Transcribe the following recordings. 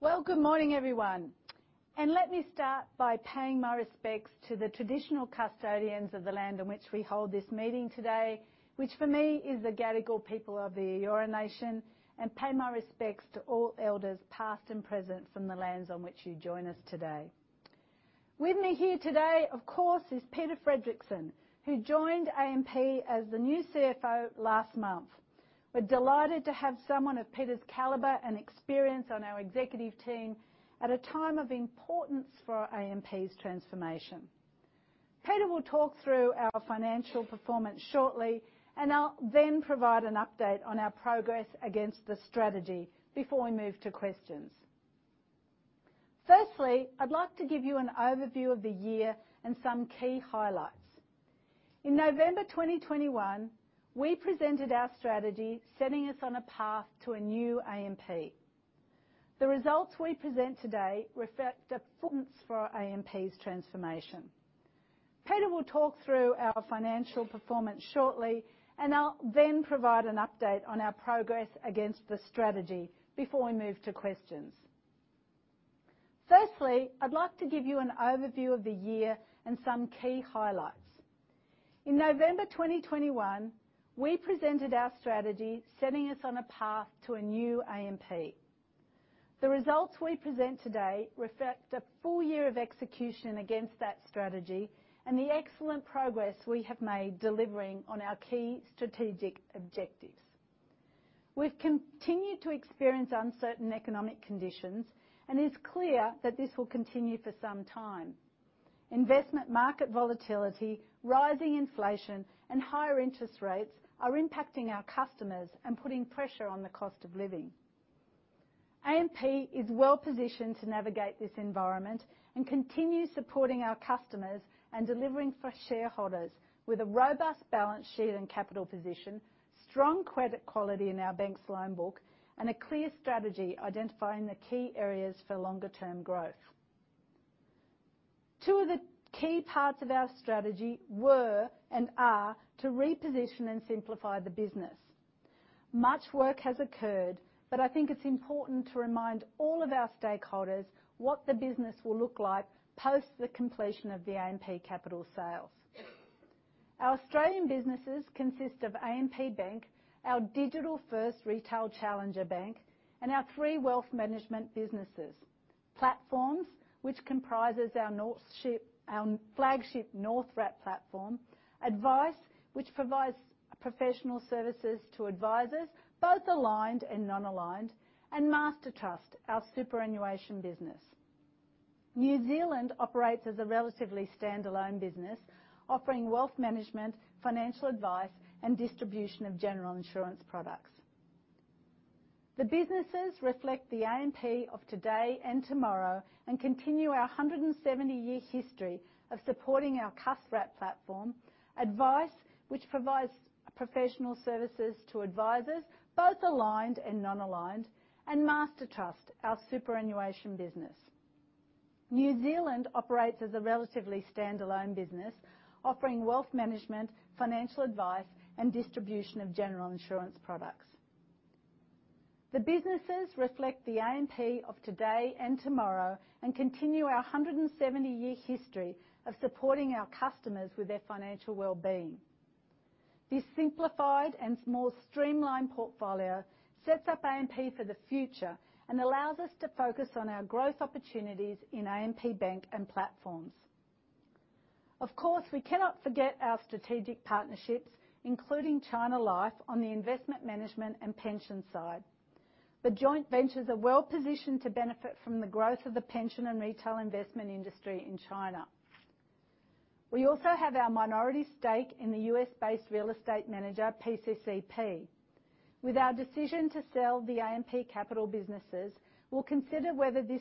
Well, good morning, everyone. Let me start by paying my respects to the traditional custodians of the land in which we hold this meeting today, which for me is the Gadigal people of the Eora Nation, and pay my respects to all elders past and present from the lands on which you join us today. With me here today, of course, is Peter Fredricson, who joined AMP as the new CFO last month. We're delighted to have someone of Peter's caliber and experience on our executive team at a time of importance for AMP's transformation. Peter will talk through our financial performance shortly. I'll then provide an update on our progress against the strategy before we move to questions. Firstly, I'd like to give you an overview of the year and some key highlights. In November 2021, we presented our strategy, setting us on a path to a new AMP. The results we present today reflect a performance for AMP's transformation. Peter will talk through our financial performance shortly, I'll then provide an update on our progress against the strategy before we move to questions. Firstly, I'd like to give you an overview of the year and some key highlights. In November 2021, we presented our strategy, setting us on a path to a new AMP. The results we present today reflect a full year of execution against that strategy and the excellent progress we have made delivering on our key strategic objectives. We've continued to experience uncertain economic conditions, it's clear that this will continue for some time. Investment market volatility, rising inflation, and higher interest rates are impacting our customers and putting pressure on the cost of living. AMP is well-positioned to navigate this environment and continue supporting our customers and delivering for shareholders with a robust balance sheet and capital position, strong credit quality in our bank's loan book, and a clear strategy identifying the key areas for longer-term growth. Two of the key parts of our strategy were and are to reposition and simplify the business. Much work has occurred. I think it's important to remind all of our stakeholders what the business will look like post the completion of the AMP Capital sales. Our Australian businesses consist of AMP Bank, our digital-first retail challenger bank, and our three wealth management businesses: Platforms, which comprises our flagship North wrap platform, Advice, which provides professional services to advisers, both aligned and non-aligned, and Master Trust, our superannuation business. New Zealand operates as a relatively standalone business, offering wealth management, financial advice, and distribution of general insurance products. The businesses reflect the AMP of today and tomorrow and continue our 170-year history of supporting our customers with their financial wellbeing. This simplified and more streamlined portfolio sets up AMP for the future and allows us to focus on our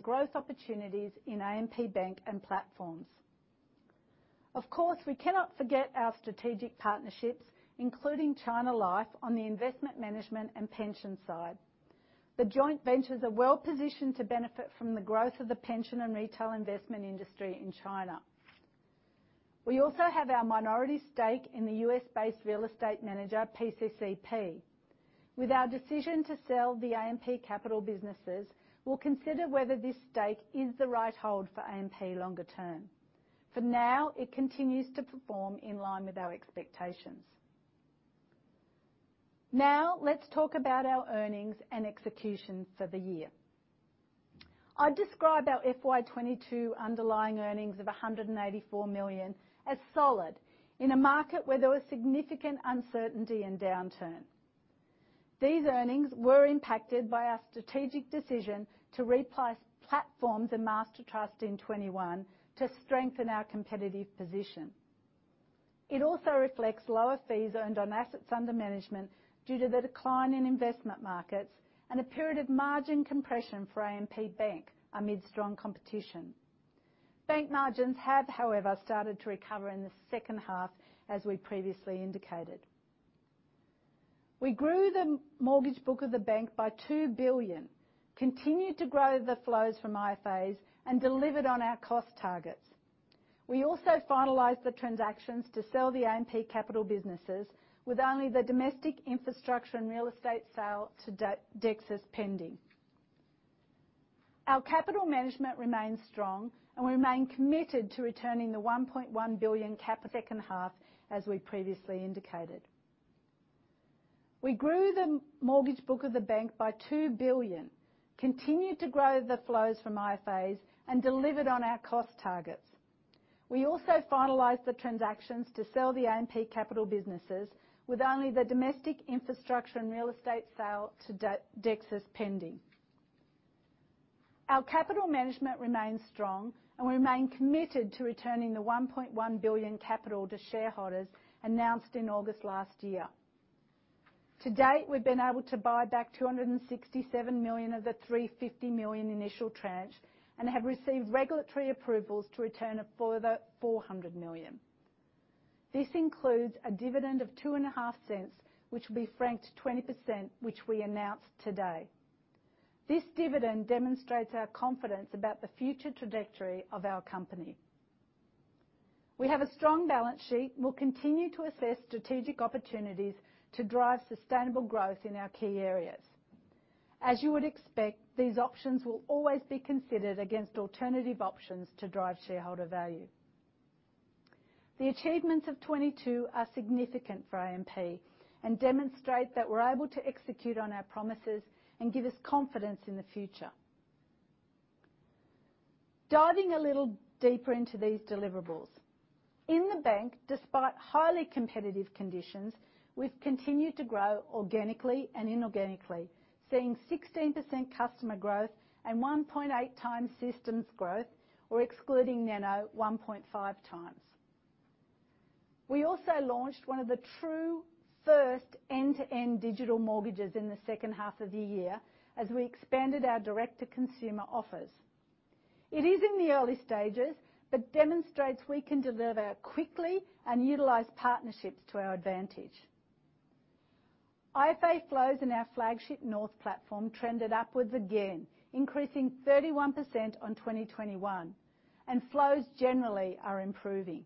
growth opportunities in AMP Bank and Platforms. Of course, we cannot forget our strategic partnerships, including China Life on the investment management and pension side. Now, let's talk about our earnings and execution for the year. I describe our FY 2022 underlying earnings of 184 million as solid in a market where there was significant uncertainty and downturn. These earnings were impacted by our strategic decision to replace Platforms in Master Trust in 2021 to strengthen our competitive position. It also reflects lower fees earned on assets under management due to the decline in investment markets and a period of margin compression for AMP Bank amid strong competition. Bank margins have, however, started to recover in the second half, as we previously indicated. We grew the mortgage book of the bank by AUD 2 billion, continued to grow the flows from IFAs, and delivered on our cost targets. We also finalized the transactions to sell the AMP Capital businesses, with only the domestic infrastructure and real estate sale to Dexus pending. Our capital management remains strong, and we remain committed to returning the 1.1 billion capital second half, as we previously indicated. We grew the mortgage book of the bank by AUD 2 billion, continued to grow the flows from IFAs, and delivered on our cost targets. We also finalized the transactions to sell the AMP Capital businesses, with only the domestic infrastructure and real estate sale to Dexus pending. Our capital management remains strong, and we remain committed to returning the AUD 1.1 billion capital to shareholders announced in August last year. To date, we've been able to buy back 267 million of the 350 million initial tranche, and have received regulatory approvals to return a further 400 million. This includes a dividend of 0.025, which will be franked 20%, which we announced today. This dividend demonstrates our confidence about the future trajectory of our company. We have a strong balance sheet. We'll continue to assess strategic opportunities to drive sustainable growth in our key areas. As you would expect, these options will always be considered against alternative options to drive shareholder value. The achievements of 2022 are significant for AMP and demonstrate that we're able to execute on our promises and give us confidence in the future. Diving a little deeper into these deliverables, in the bank, despite highly competitive conditions, we've continued to grow organically and inorganically, seeing 16% customer growth and 1.8x systems growth or, excluding Nano, 1.5x. We also launched one of the true first end-to-end digital mortgages in the H2 of the year as we expanded our direct-to-consumer offers. It is in the early stages but demonstrates we can deliver quickly and utilize partnerships to our advantage. IFA flows in our flagship North platform trended upwards again, increasing 31% on 2021. Flows generally are improving.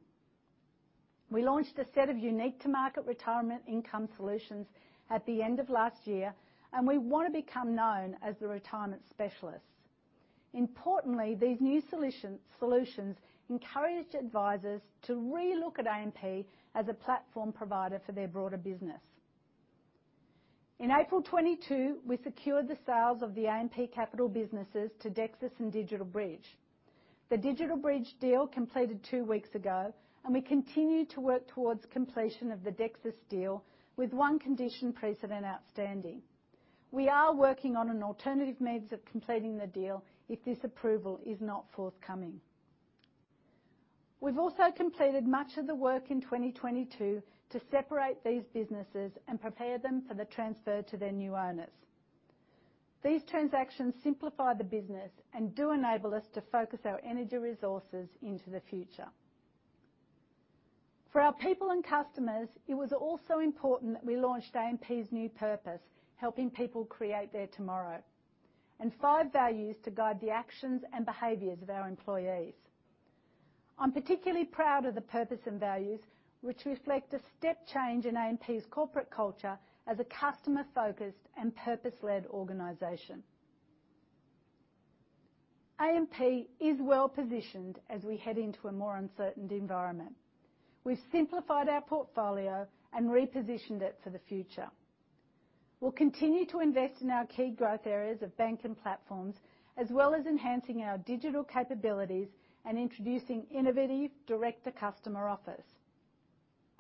We launched a set of unique-to-market retirement income solutions at the end of last year. We want to become known as the retirement specialists. Importantly, these new solutions encouraged advisors to re-look at AMP as a platform provider for their broader business. In April 2022, we secured the sales of the AMP Capital businesses to Dexus and DigitalBridge. The DigitalBridge deal completed two weeks ago. We continue to work towards completion of the Dexus deal with one condition precedent outstanding. We are working on an alternative means of completing the deal if this approval is not forthcoming. We've also completed much of the work in 2022 to separate these businesses and prepare them for the transfer to their new owners. These transactions simplify the business and do enable us to focus our energy resources into the future. For our people and customers, it was also important that we launched AMP's new purpose, helping people create their tomorrow, and five values to guide the actions and behaviors of our employees. I'm particularly proud of the purpose and values which reflect a step change in AMP's corporate culture as a customer-focused and purpose-led organization. AMP is well-positioned as we head into a more uncertain environment. We've simplified our portfolio and repositioned it for the future. We'll continue to invest in our key growth areas of Bank and Platforms, as well as enhancing our digital capabilities and introducing innovative direct-to-customer offers.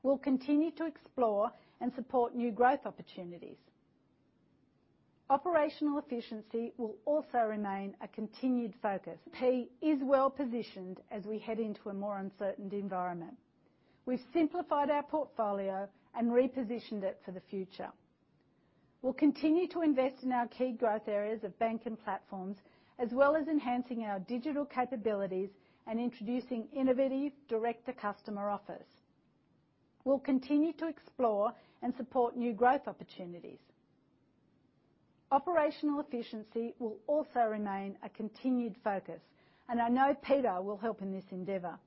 We'll continue to explore and support new growth opportunities. Operational efficiency will also remain a continued focus. AMP is well-positioned as we head into a more uncertain environment. We've simplified our portfolio and repositioned it for the future. We'll continue to invest in our key growth areas of Bank and Platforms, as well as enhancing our digital capabilities and introducing innovative direct-to-customer offers. We'll continue to explore and support new growth opportunities. Operational efficiency will also remain a continued focus, I know Peter will help in this endeavor.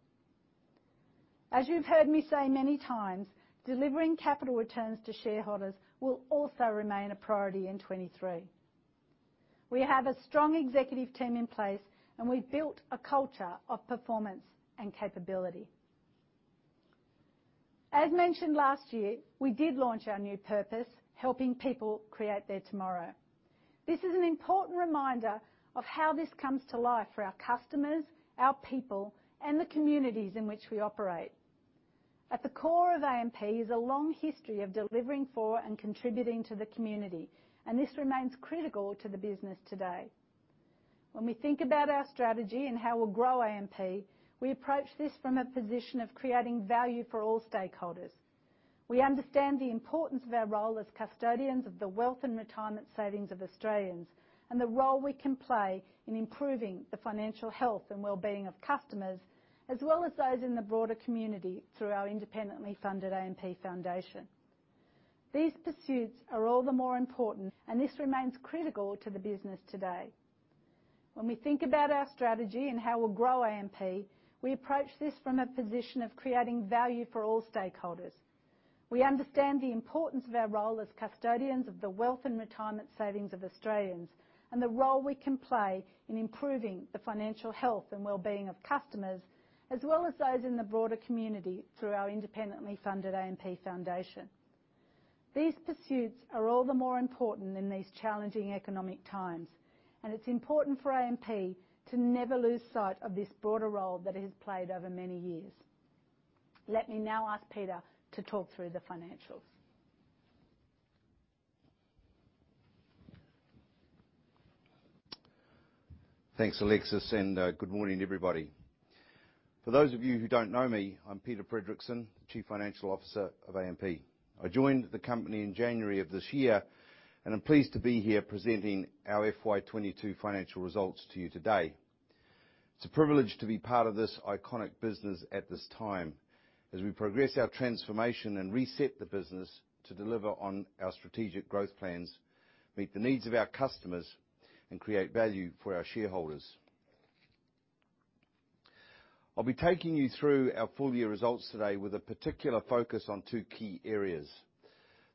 As you've heard me say many times, delivering capital returns to shareholders will also remain a priority in 2023. We have a strong executive team in place, we've built a culture of performance and capability. As mentioned last year, we did launch our new purpose, helping people create their tomorrow. This is an important reminder of how this comes to life for our customers, our people, and the communities in which we operate. At the core of AMP is a long history of delivering for and contributing to the community, and this remains critical to the business today. When we think about our strategy and how we'll grow AMP, we approach this from a position of creating value for all stakeholders. We understand the importance of our role as custodians of the wealth and retirement savings of Australians and the role we can play in improving the financial health and well-being of customers, as well as those in the broader community through our independently funded AMP Foundation. These pursuits are all the more important, and this remains critical to the business today. When we think about our strategy and how we'll grow AMP, we approach this from a position of creating value for all stakeholders. We understand the importance of our role as custodians of the wealth and retirement savings of Australians, and the role we can play in improving the financial health and well-being of customers, as well as those in the broader community through our independently funded AMP Foundation. These pursuits are all the more important in these challenging economic times, and it's important for AMP to never lose sight of this broader role that it has played over many years. Let me now ask Peter to talk through the financials. Thanks, Alexis, good morning, everybody. For those of you who don't know me, I'm Peter Fredricson, Chief Financial Officer of AMP. I joined the company in January of this year. I'm pleased to be here presenting our FY 2022 financial results to you today. It's a privilege to be part of this iconic business at this time as we progress our transformation and reset the business to deliver on our strategic growth plans, meet the needs of our customers, and create value for our shareholders. I'll be taking you through our full year results today with a particular focus on two key areas: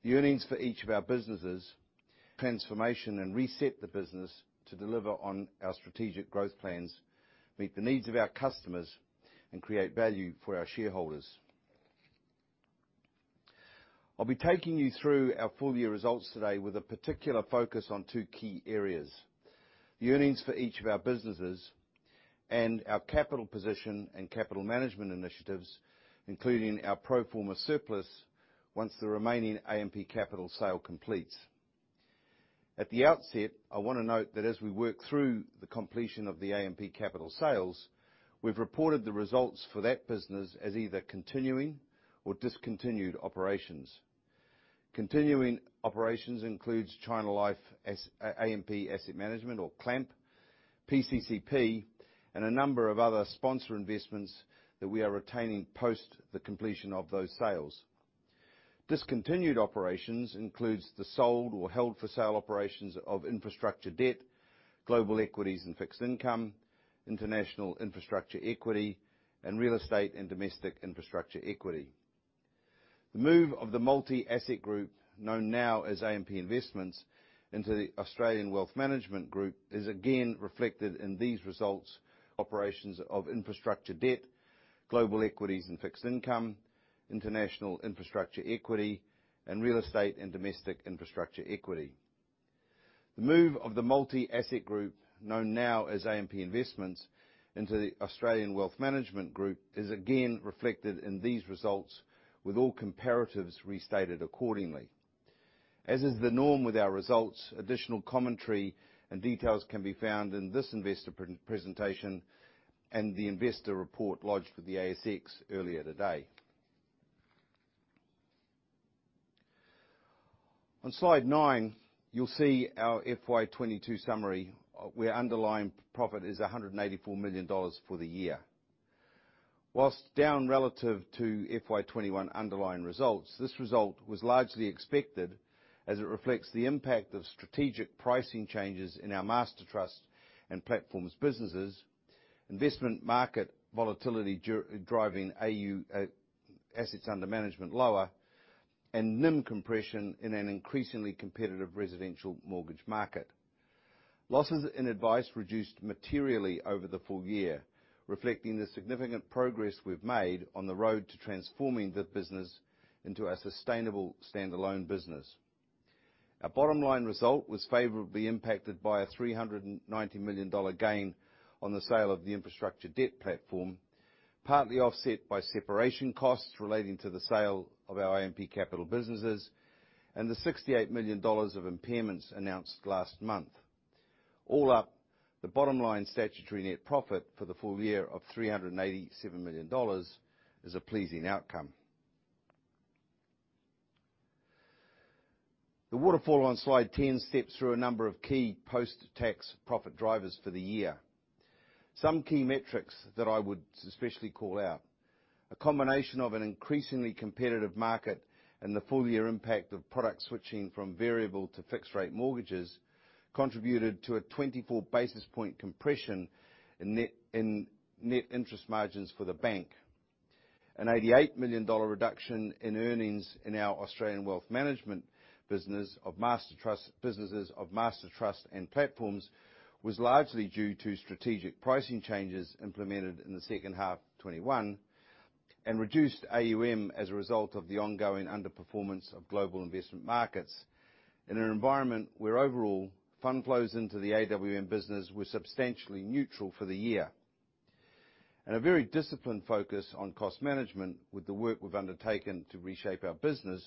the earnings for each of our businesses, transformation and reset the business to deliver on our strategic growth plans, meet the needs of our customers, and create value for our shareholders. I'll be taking you through our full year results today with a particular focus on two key areas: the earnings for each of our businesses and our capital position and capital management initiatives, including our pro forma surplus once the remaining AMP Capital sale completes. At the outset, I want to note that as we work through the completion of the AMP Capital sales, we've reported the results for that business as either continuing or discontinued operations. Continuing operations includes China Life AMP Asset Management or CLAMP, PCCP, and a number of other sponsor investments that we are retaining post the completion of those sales. Discontinued operations includes the sold or held for sale operations of infrastructure debt, global equities and fixed income, international infrastructure equity, and real estate and domestic infrastructure equity. The move of the Multi-Asset Group, known now as AMP Investments, into the Australian Wealth Management Group is again reflected in these results operations of infrastructure debt global equities and fixed income, international infrastructure equity, and real estate and domestic infrastructure equity. The move of the Multi-Asset Group, known now as AMP Investments, into the Australian Wealth Management Group is again reflected in these results with all comparatives restated accordingly. As is the norm with our results, additional commentary and details can be found in this investor pre-presentation and the investor report lodged with the ASX earlier today. On slide nine, you'll see our FY 2022 summary, where underlying profit is 184 million dollars for the year. Whilst down relative to FY 2021 underlying results, this result was largely expected as it reflects the impact of strategic pricing changes in our Master Trust and Platforms businesses, investment market volatility driving assets under management lower, and NIM compression in an increasingly competitive residential mortgage market. Losses in Advice reduced materially over the full year, reflecting the significant progress we've made on the road to transforming the business into a sustainable standalone business. Our bottom line result was favorably impacted by an 390 million dollar gain on the sale of the infrastructure debt platform, partly offset by separation costs relating to the sale of our AMP Capital businesses and the 68 million dollars of impairments announced last month. All up, the bottom line statutory net profit for the full year of 387 million dollars is a pleasing outcome. The waterfall on slide 10 steps through a number of key post-tax profit drivers for the year. Some key metrics that I would especially call out. A combination of an increasingly competitive market and the full year impact of product switching from variable to fixed rate mortgages contributed to a 24 basis point compression in net interest margins for the bank. An $88 million reduction in earnings in our Australian Wealth Management business of Mastertrust, businesses of Mastertrust and Platforms was largely due to strategic pricing changes implemented in the H2 2021 and reduced AUM as a result of the ongoing underperformance of global investment markets in an environment where overall fund flows into the AWM business were substantially neutral for the year. A very disciplined focus on cost management with the work we've undertaken to reshape our business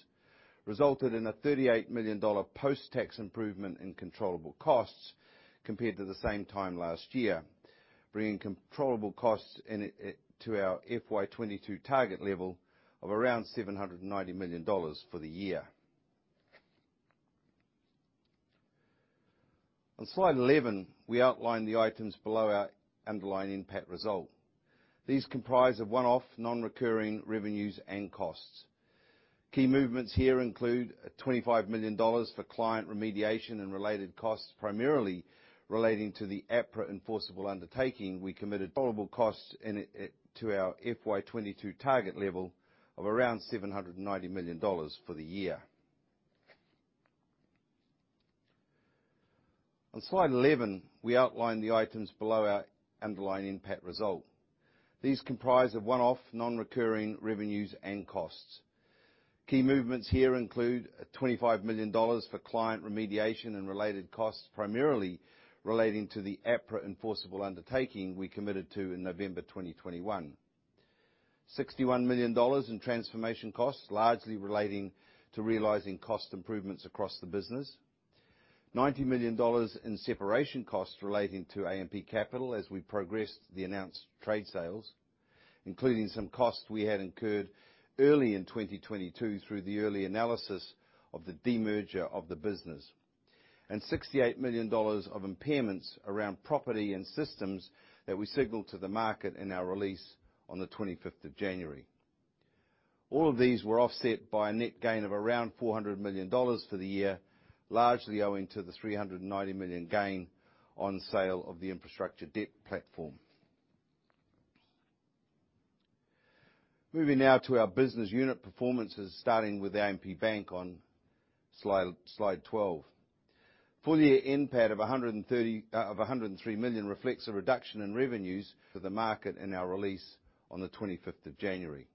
resulted in a $38 million post-tax improvement in controllable costs compared to the same time last year, bringing controllable costs into our FY 2022 target level of around $790 million for the year. On slide 11, we outline the items below our underlying NPAT result. These comprise of one-off, non-recurring revenues and costs. Key movements here include $25 million for client remediation and related costs, primarily relating to the APRA Enforceable Undertaking we committed global costs in it, to our FY 2022 target level of around $790 million for the year. On slide 11, we outline the items below our underlying NPAT result. These comprise of one-off, non-recurring revenues and costs. Key movements here include $25 million for client remediation and related costs, primarily relating to the APRA Enforceable Undertaking we committed to in November 2021. $61 million in transformation costs, largely relating to realizing cost improvements across the business. $90 million in separation costs relating to AMP Capital as we progressed the announced trade sales, including some costs we had incurred early in 2022 through the early analysis of the demerger of the business. Sixty-eight million dollars of impairments around property and systems that we signaled to the market in our release on the 25th of January. All of these were offset by a net gain of around $400 million for the year, largely owing to the $390 million gain on sale of the infrastructure debt platform. Moving now to our business unit performances, starting with AMP Bank on slide 12. Full year NPAT of 103 million reflects a reduction in revenues for the market in our release on the 25th of January.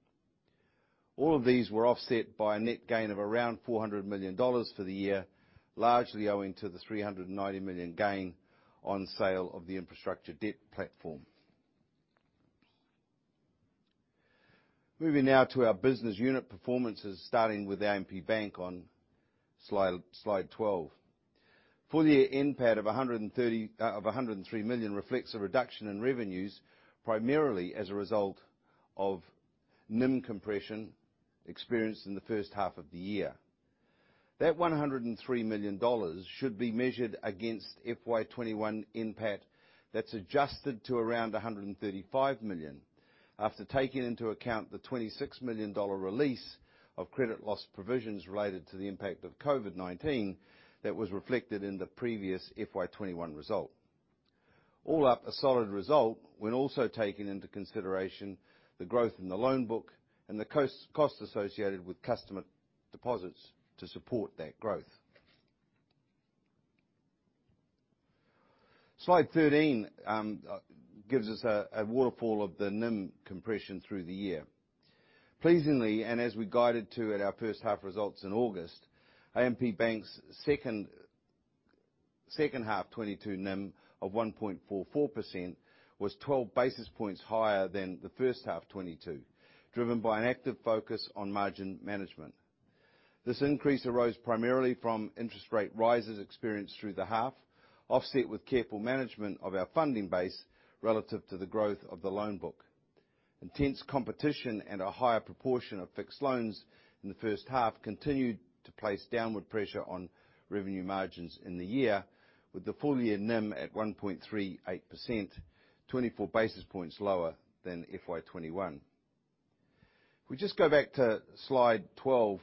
All of these were offset by a net gain of around 400 million dollars for the year, largely owing to the 390 million gain on sale of the infrastructure debt platform. Moving now to our business unit performances, starting with AMP Bank on slide 12. Full year NPAT of 103 million reflects a reduction in revenues primarily as a result of NIM compression experienced in the H1 of the year. That 103 million dollars should be measured against FY 2021 NPAT that's adjusted to around 135 million after taking into account the 26 million dollar release of credit loss provisions related to the impact of COVID-19 that was reflected in the previous FY 2021 result. All up, a solid result when also taking into consideration the growth in the loan book and the cost associated with customer deposits to support that growth. Slide 13 gives us a waterfall of the NIM compression through the year. Pleasingly, and as we guided to at our first half results in August, AMP Bank's H1 2022 NIM of 1.44% was 12 basis points higher than the H1 2022, driven by an active focus on margin management. This increase arose primarily from interest rate rises experienced through the half, offset with careful management of our funding base relative to the growth of the loan book. Intense competition and a higher proportion of fixed loans in the first half continued to place downward pressure on revenue margins in the year, with the full-year NIM at 1.38%, 24 basis points lower than FY 2021. We just go back to Slide 12,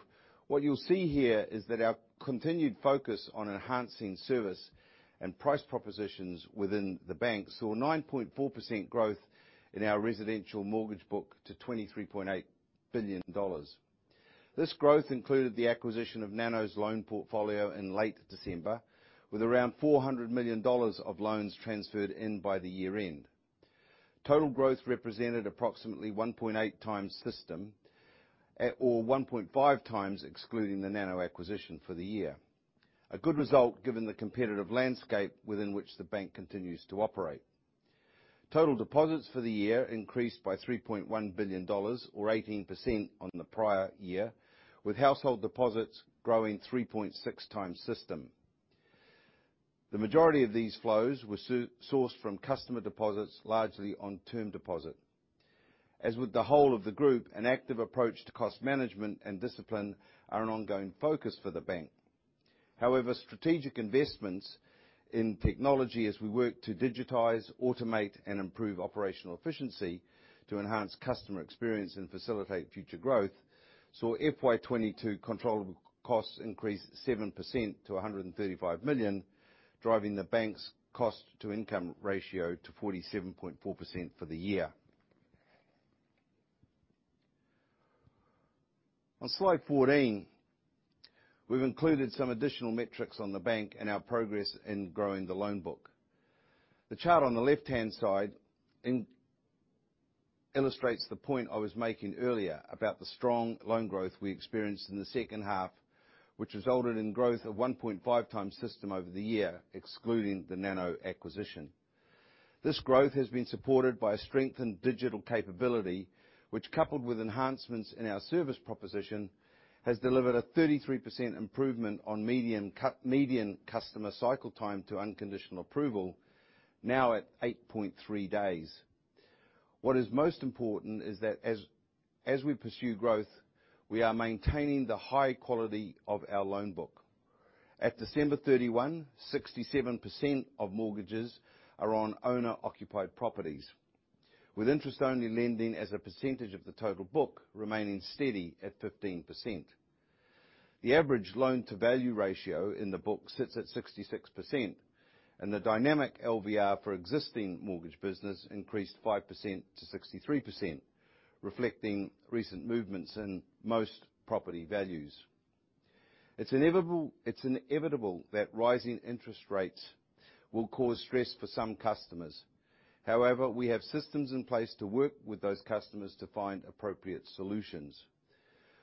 what you'll see here is that our continued focus on enhancing service and price propositions within the bank saw 9.4% growth in our residential mortgage book to $23.8 billion. This growth included the acquisition of Nano's loan portfolio in late December, with around $400 million of loans transferred in by the year-end. Total growth represented approximately 1.8x system, or 1.5x excluding the Nano acquisition for the year. A good result given the competitive landscape within which the bank continues to operate. Total deposits for the year increased by 3.1 billion dollars or 18% on the prior year, with household deposits growing 3.6x system. The majority of these flows were sourced from customer deposits, largely on term deposit. As with the whole of the group, an active approach to cost management and discipline are an ongoing focus for the bank. Strategic investments in technology as we work to digitize, automate, and improve operational efficiency to enhance customer experience and facilitate future growth, saw FY 2022 controllable costs increase 7% to 135 million, driving the bank's cost-to-income ratio to 47.4% for the year. On slide 14, we've included some additional metrics on the bank and our progress in growing the loan book. The chart on the left-hand side illustrates the point I was making earlier about the strong loan growth we experienced in the second half, which resulted in growth of 1.5x system over the year, excluding the Nano acquisition. This growth has been supported by a strengthened digital capability, which, coupled with enhancements in our service proposition, has delivered a 33% improvement on median customer cycle time to unconditional approval, now at 8.3 days. What is most important is that as we pursue growth, we are maintaining the high quality of our loan book. At December 31, 67% of mortgages are on owner-occupied properties, with interest-only lending as a percentage of the total book remaining steady at 15%. The average loan-to-value ratio in the book sits at 66%, and the dynamic LVR for existing mortgage business increased 5% to 63%, reflecting recent movements in most property values. It's inevitable that rising interest rates will cause stress for some customers. However, we have systems in place to work with those customers to find appropriate solutions.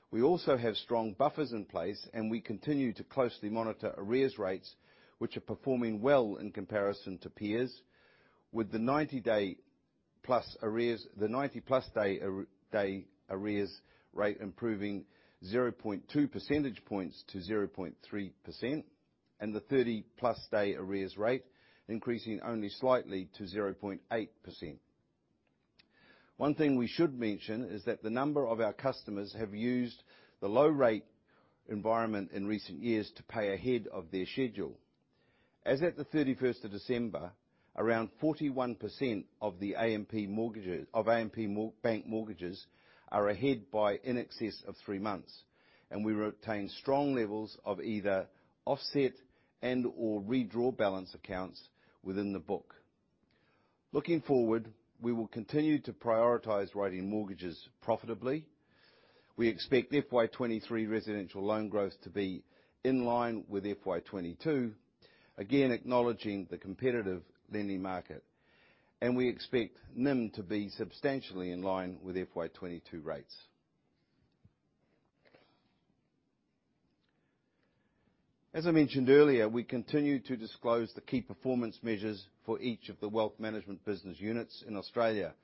We also have strong buffers in place, and we continue to closely monitor arrears rates, which are performing well in comparison to peers. With the 90-day plus arrears, the 90-plus day arrears rate improving 0.2 percentage points to 0.3%, and the 30-plus day arrears rate increasing only slightly to 0.8%. One thing we should mention is that the number of our customers have used the low rate environment in recent years to pay ahead of their schedule. As at the 31st of December, around 41% of the AMP mortgages of AMP Bank mortgages are ahead by in excess of three months, and we retain strong levels of either offset and/or redraw balance accounts within the book. Looking forward, we will continue to prioritize writing mortgages profitably. We expect FY 2023 residential loan growth to be in line with FY 2022, again acknowledging the competitive lending market, and we expect NIM to be substantially in line with FY 2022 rates. As I mentioned earlier, we continue to disclose the key performance measures for each of the wealth management business units in Australia,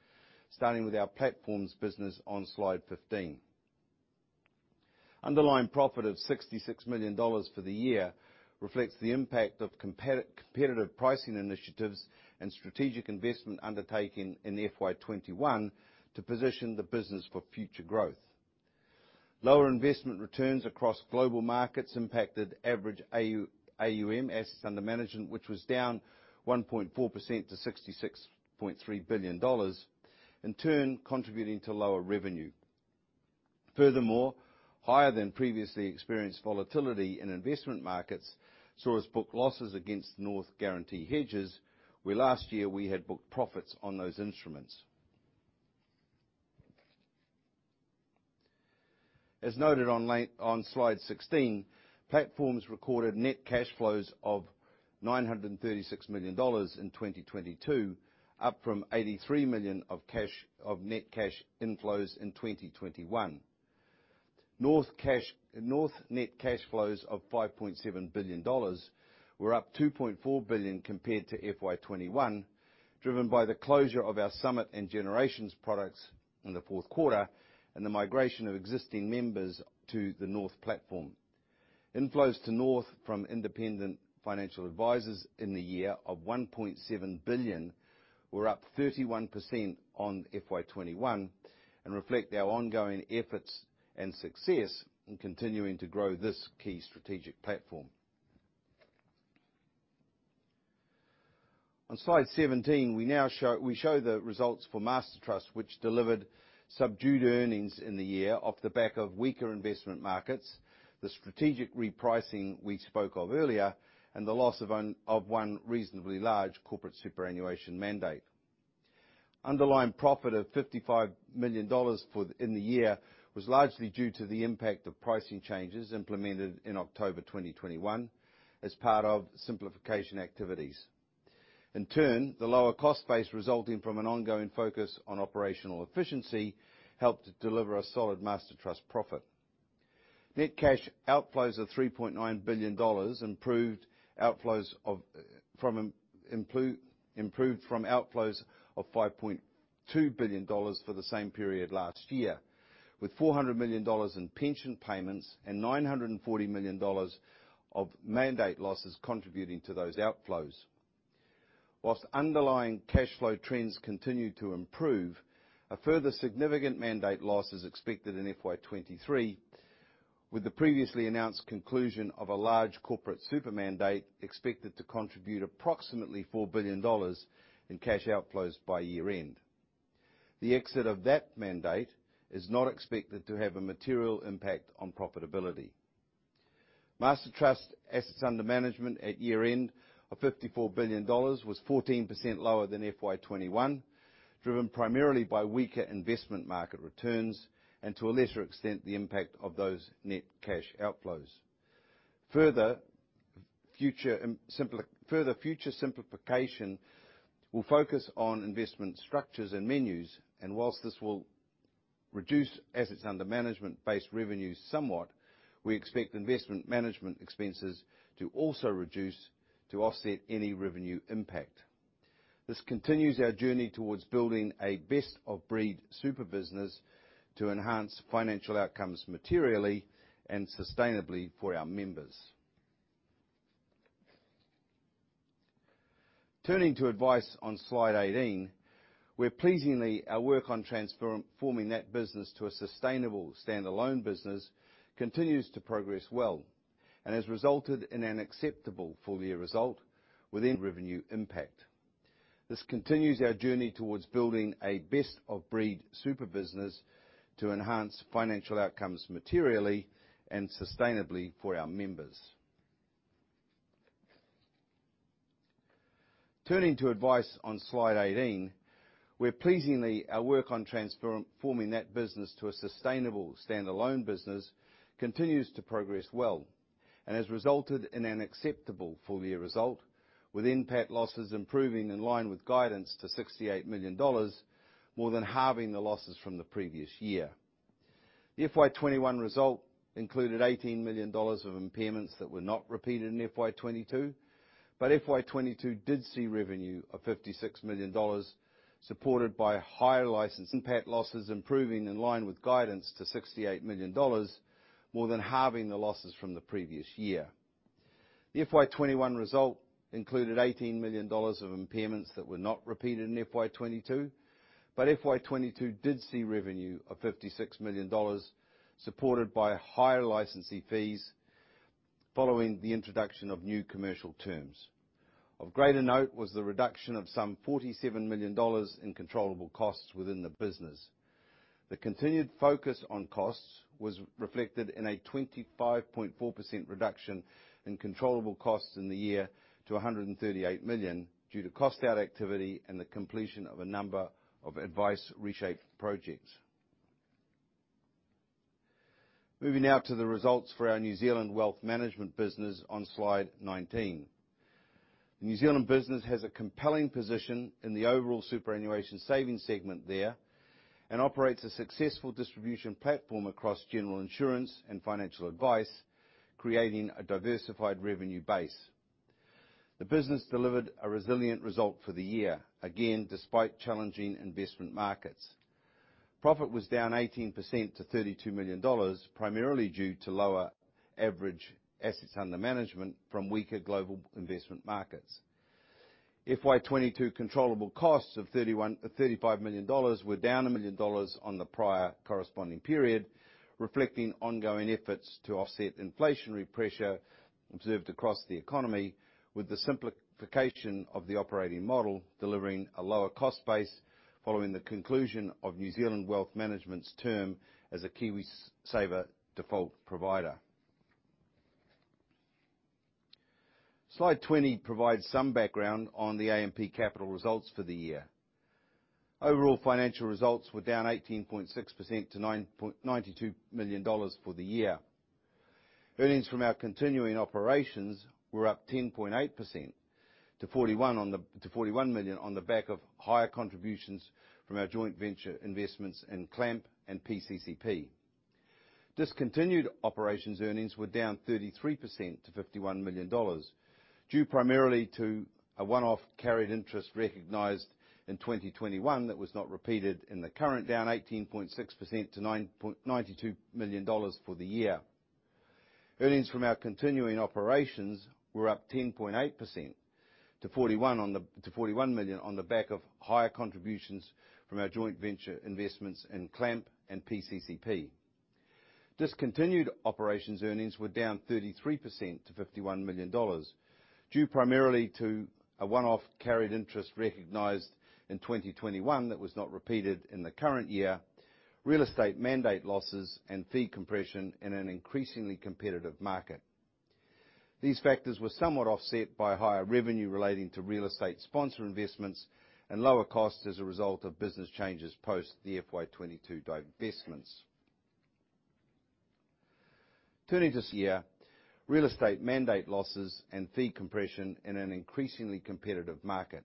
starting with our Platforms business on slide 15. Underlying profit of 66 million dollars for the year reflects the impact of competitive pricing initiatives and strategic investment undertaking in FY 2021 to position the business for future growth. Lower investment returns across global markets impacted average AUM, assets under management, which was down 1.4% to 66.3 billion dollars, in turn, contributing to lower revenue. Furthermore, higher than previously experienced volatility in investment markets saw us book losses against North Guarantee hedges, where last year we had booked profits on those instruments. As noted on slide 16, Platforms recorded net cash flows of $936 million in 2022, up from $83 million of net cash inflows in 2021. North net cash flows of $5.7 billion were up $2.4 billion compared to FY 2021, driven by the closure of our Summit and Generations products in the fourth quarter and the migration of existing members to the North platform. Inflows to North from independent financial advisors in the year of $1.7 billion were up 31% on FY 2021 and reflect our ongoing efforts and success in continuing to grow this key strategic platform. On slide 17, we now show the results for Master Trust, which delivered subdued earnings in the year off the back of weaker investment markets, the strategic repricing we spoke of earlier, and the loss of one reasonably large corporate superannuation mandate. Underlying profit of 55 million dollars in the year was largely due to the impact of pricing changes implemented in October 2021 as part of simplification activities. The lower cost base resulting from an ongoing focus on operational efficiency helped to deliver a solid Master Trust profit. Net cash outflows of 3.9 billion improved from outflows of 5.2 billion dollars for the same period last year, with 400 million dollars in pension payments and 940 million dollars of mandate losses contributing to those outflows. While underlying cash flow trends continue to improve, a further significant mandate loss is expected in FY 2023, with the previously announced conclusion of a large corporate super mandate expected to contribute approximately $4 billion in cash outflows by year-end. The exit of that mandate is not expected to have a material impact on profitability. Master Trust assets under management at year-end of $54 billion was 14% lower than FY 20 21, driven primarily by weaker investment market returns and, to a lesser extent, the impact of those net cash outflows. Further, future simplification will focus on investment structures and menus, and while this will reduce assets under management-based revenues somewhat, we expect investment management expenses to also reduce to offset any revenue impact. This continues our journey towards building a best-of-breed super business to enhance financial outcomes materially and sustainably for our members. Turning to Advice on slide 18, where pleasingly our work on transforming that business to a sustainable standalone business continues to progress well and has resulted in an acceptable full year result within revenue impact. This continues our journey towards building a best of breed super business to enhance financial outcomes materially and sustainably for our members. Turning to Advice on slide 18, where pleasingly our work on transforming that business to a sustainable standalone business continues to progress well and has resulted in an acceptable full year result, with NPAT losses improving in line with guidance to 68 million dollars, more than halving the losses from the previous year. The FY 2021 result included 18 million dollars of impairments that were not repeated in FY 2022, but FY 2022 did see revenue of 56 million dollars, supported by higher licensee fees, improving in line with guidance to 68 million dollars, more than halving the losses from the previous year. The FY 2021 result included AUD 18 million of impairments that were not repeated in FY 2022, but FY 2022 did see revenue of 56 million dollars, supported by higher licensee fees following the introduction of new commercial terms. Of greater note was the reduction of some 47 million dollars in controllable costs within the business. The continued focus on costs was reflected in a 25.4% reduction in controllable costs in the year to 138 million, due to cost out activity and the completion of a number of Advice reshaped projects. Moving now to the results for our New Zealand Wealth Management business on slide 19. The New Zealand business has a compelling position in the overall superannuation savings segment there and operates a successful distribution platform across general insurance and financial advice, creating a diversified revenue base. The business delivered a resilient result for the year, again, despite challenging investment markets. Profit was down 18% to 32 million dollars, primarily due to lower average assets under management from weaker global investment markets. FY 2022 controllable costs of 35 million dollars were down 1 million dollars on the prior corresponding period, reflecting ongoing efforts to offset inflationary pressure observed across the economy, with the simplification of the operating model delivering a lower cost base following the conclusion of New Zealand Wealth Management's term as a KiwiSaver default provider. Slide 20 provides some background on the AMP Capital results for the year. Overall financial results were down 18.6% to 92 million dollars for the year. Earnings from our continuing operations were up 10.8% to 41 million on the back of higher contributions from our joint venture investments in CLAMP and PCCP. Discontinued operations earnings were down 33% to 51 million dollars, due primarily to a one-off carried interest recognized in 2021 that was not repeated in the current. Discontinued operations earnings were down 33% to 51 million dollars, due primarily to a one-off carried interest recognized in 2021 that was not repeated in the current year, real estate mandate losses and fee compression in an increasingly competitive market. These factors were somewhat offset by higher revenue relating to real estate sponsor investments and lower costs as a result of business changes post the FY 2022 divestments. Turning to this year, real estate mandate losses and fee compression in an increasingly competitive market.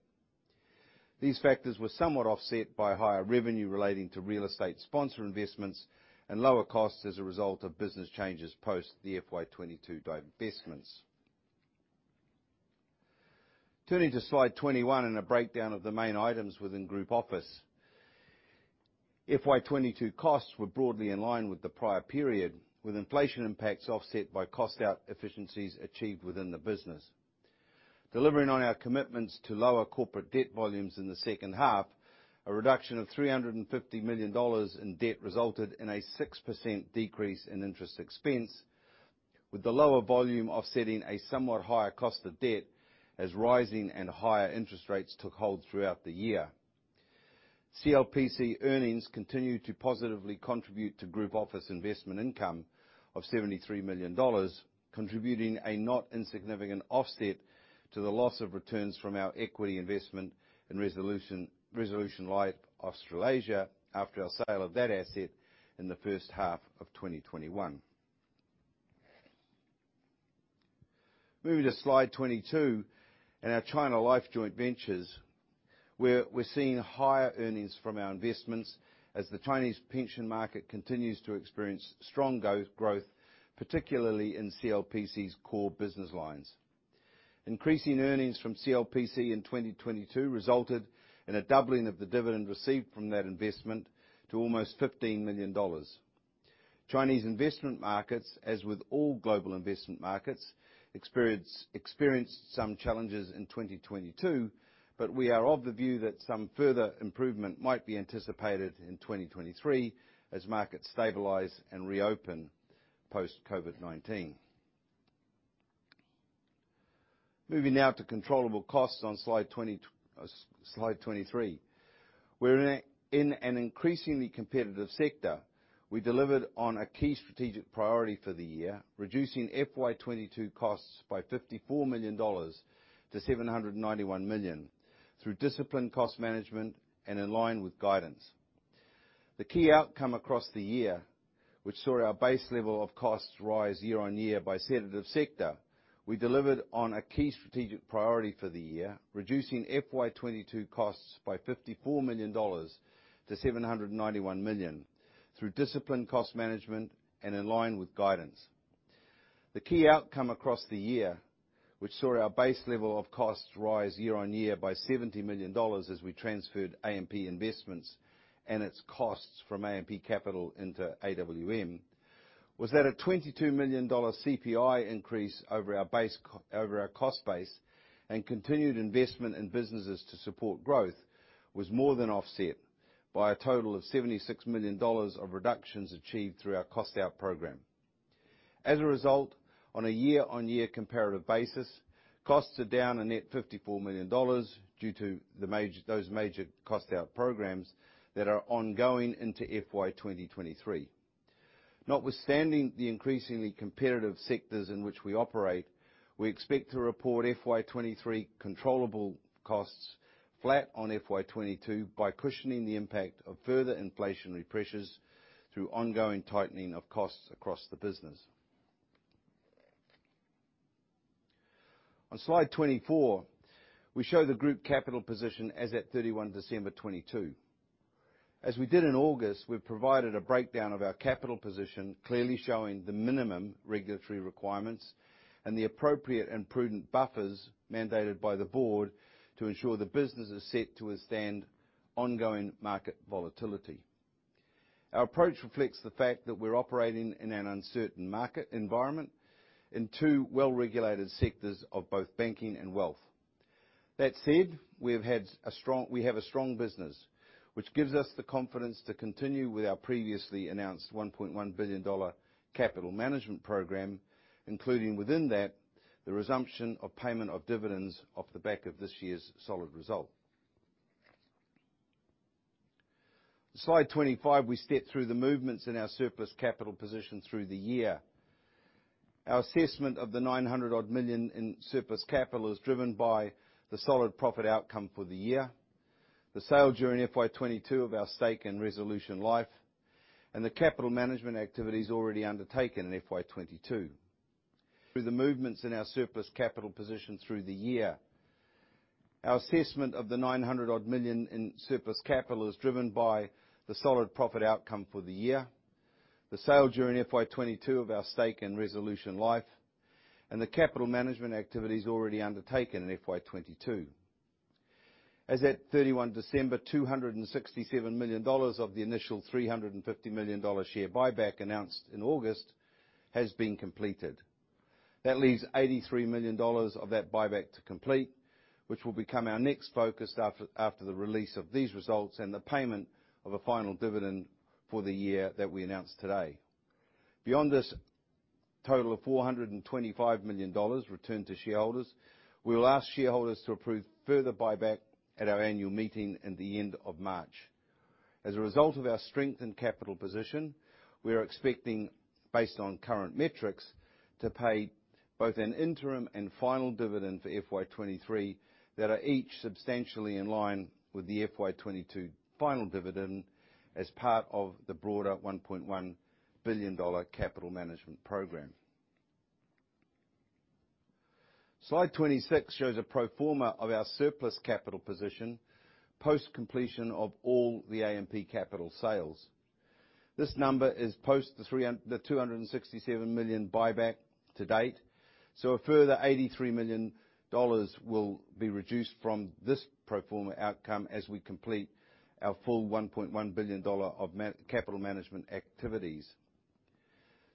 These factors were somewhat offset by higher revenue relating to real estate sponsor investments and lower costs as a result of business changes post the FY 2022 divestments. Turning to slide 21 and a breakdown of the main items within Group Office. FY 2022 costs were broadly in line with the prior period, with inflation impacts offset by cost out efficiencies achieved within the business. Delivering on our commitments to lower corporate debt volumes in the second half, a reduction of 350 million dollars in debt resulted in a 6% decrease in interest expense, with the lower volume offsetting a somewhat higher cost of debt as rising and higher interest rates took hold throughout the year. CLPC earnings continued to positively contribute to Group Office investment income of AUD 73 million, contributing a not insignificant offset to the loss of returns from our equity investment in Resolution Life Australasia after our sale of that asset in the H1 of 2021. Moving to slide 22 and our China Life joint ventures, where we're seeing higher earnings from our investments as the Chinese pension market continues to experience strong growth, particularly in CLPC's core business lines. Increasing earnings from CLPC in 2022 resulted in a doubling of the dividend received from that investment to almost 15 million dollars. Chinese investment markets, as with all global investment markets, experienced some challenges in 2022. We are of the view that some further improvement might be anticipated in 2023 as markets stabilize and reopen post COVID-19. Moving now to controllable costs on slide 23. We're in an increasingly competitive sector. We delivered on a key strategic priority for the year, reducing FY 2022 costs by 54 million dollars to 791 million through disciplined cost management and in line with guidance. The key outcome across the year, which saw our base level of costs rise year-on-year by sedative sector, we delivered on a key strategic priority for the year, reducing FY 2022 costs by 54 million dollars to 791 million through disciplined cost management and in line with guidance. The key outcome across the year, which saw our base level of costs rise year-on-year by 70 million dollars as we transferred AMP Investments and its costs from AMP Capital into AWM, was that a 22 million dollar CPI increase over our base over our cost base and continued investment in businesses to support growth was more than offset by a total of 76 million dollars of reductions achieved through our cost out program. On a year-on-year comparative basis, costs are down a net 54 million dollars due to those major cost out programs that are ongoing into FY 2023. Notwithstanding the increasingly competitive sectors in which we operate, we expect to report FY 2023 controllable costs flat on FY 2022 by cushioning the impact of further inflationary pressures through ongoing tightening of costs across the business. On slide 24, we show the group capital position as at 31 December 2022. We've provided a breakdown of our capital position, clearly showing the minimum regulatory requirements and the appropriate and prudent buffers mandated by the board to ensure the business is set to withstand ongoing market volatility. Our approach reflects the fact that we're operating in an uncertain market environment in two well-regulated sectors of both banking and wealth. That said, we have a strong business which gives us the confidence to continue with our previously announced 1.1 billion dollar capital management program, including within that, the resumption of payment of dividends off the back of this year's solid result. Slide 25, we step through the movements in our surplus capital position through the year. Our assessment of the 900 odd million in surplus capital is driven by the solid profit outcome for the year, the sale during FY 2022 of our stake in Resolution Life, and the capital management activities already undertaken in FY 2022. Through the movements in our surplus capital position through the year. Our assessment of the 900 million odd in surplus capital is driven by the solid profit outcome for the year, the sale during FY 2022 of our stake in Resolution Life, and the capital management activities already undertaken in FY 2022. As at 31 December, 267 million dollars of the initial 350 million dollar share buyback announced in August has been completed. That leaves 83 million dollars of that buyback to complete, which will become our next focus after the release of these results and the payment of a final dividend for the year that we announced today. Beyond this total of 425 million dollars returned to shareholders, we will ask shareholders to approve further buyback at our annual meeting in the end of March. As a result of our strength in capital position, we are expecting, based on current metrics, to pay both an interim and final dividend for FY 2023 that are each substantially in line with the FY 2022 final dividend as part of the broader 1.1 billion dollar capital management program. Slide 26 shows a pro forma of our surplus capital position, post completion of all the AMP Capital sales. This number is post the 267 million buyback to date, so a further 83 million dollars will be reduced from this pro forma outcome as we complete our full 1.1 billion dollar capital management activities.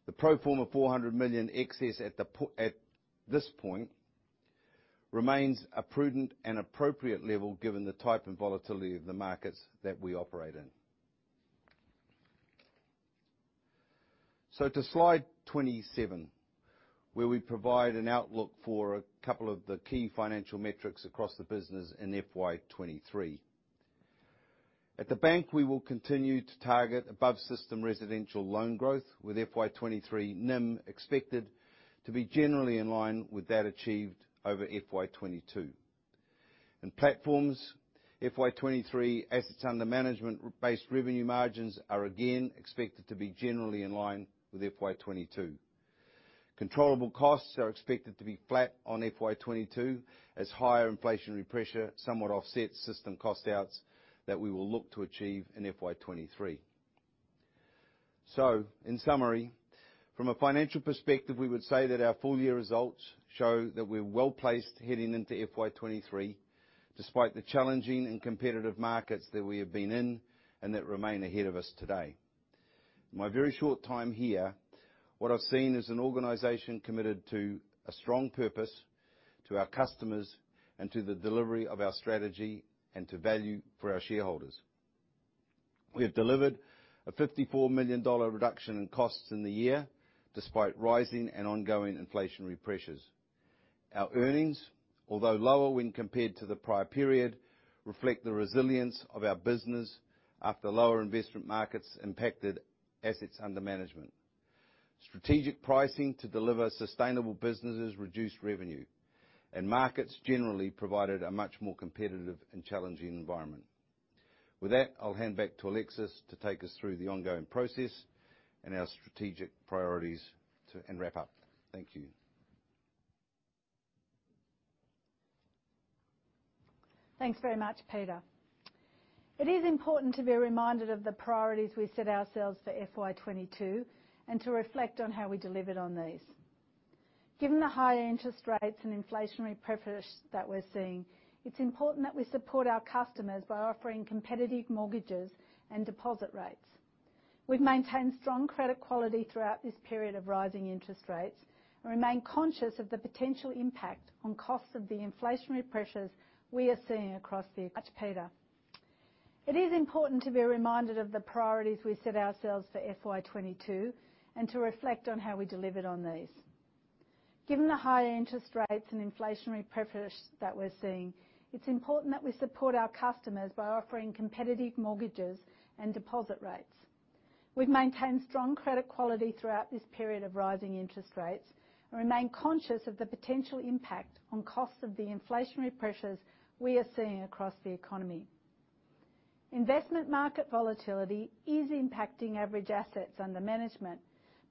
The pro forma 400 million excess at this point remains a prudent and appropriate level given the type and volatility of the markets that we operate in. To slide 27, where we provide an outlook for a couple of the key financial metrics across the business in FY 2023. At the Bank, we will continue to target above-system residential loan growth with FY 2023 NIM expected to be generally in line with that achieved over FY 2022. In Platforms, FY 2023 AUM based revenue margins are again expected to be generally in line with FY 2022. Controllable costs are expected to be flat on FY 2022 as higher inflationary pressure somewhat offsets system cost outs that we will look to achieve in FY 2023. In summary, from a financial perspective, we would say that our full year results show that we're well-placed heading into FY 2023, despite the challenging and competitive markets that we have been in and that remain ahead of us today. My very short time here, what I've seen is an organization committed to a strong purpose to our customers and to the delivery of our strategy and to value for our shareholders. We have delivered a 54 million dollar reduction in costs in the year, despite rising and ongoing inflationary pressures. Our earnings, although lower when compared to the prior period, reflect the resilience of our business after lower investment markets impacted Assets Under Management. Strategic pricing to deliver sustainable businesses reduced revenue, and markets generally provided a much more competitive and challenging environment. With that, I'll hand back to Alexis to take us through the ongoing process and our strategic priorities and wrap up. Thank you. Thanks very much, Peter. It is important to be reminded of the priorities we set ourselves for FY 2022 and to reflect on how we delivered on these. Given the high interest rates and inflationary pressures that we're seeing, it's important that we support our customers by offering competitive mortgages and deposit rates. We've maintained strong credit quality throughout this period of rising interest rates and remain conscious of the potential impact on costs of the inflationary pressures we are seeing across the economy. Peter. It is important to be reminded of the priorities we set ourselves for FY 2022 and to reflect on how we delivered on these. Given the high interest rates and inflationary pressures that we're seeing, it's important that we support our customers by offering competitive mortgages and deposit rates. We've maintained strong credit quality throughout this period of rising interest rates and remain conscious of the potential impact on costs of the inflationary pressures we are seeing across the economy. Investment market volatility is impacting average assets under management,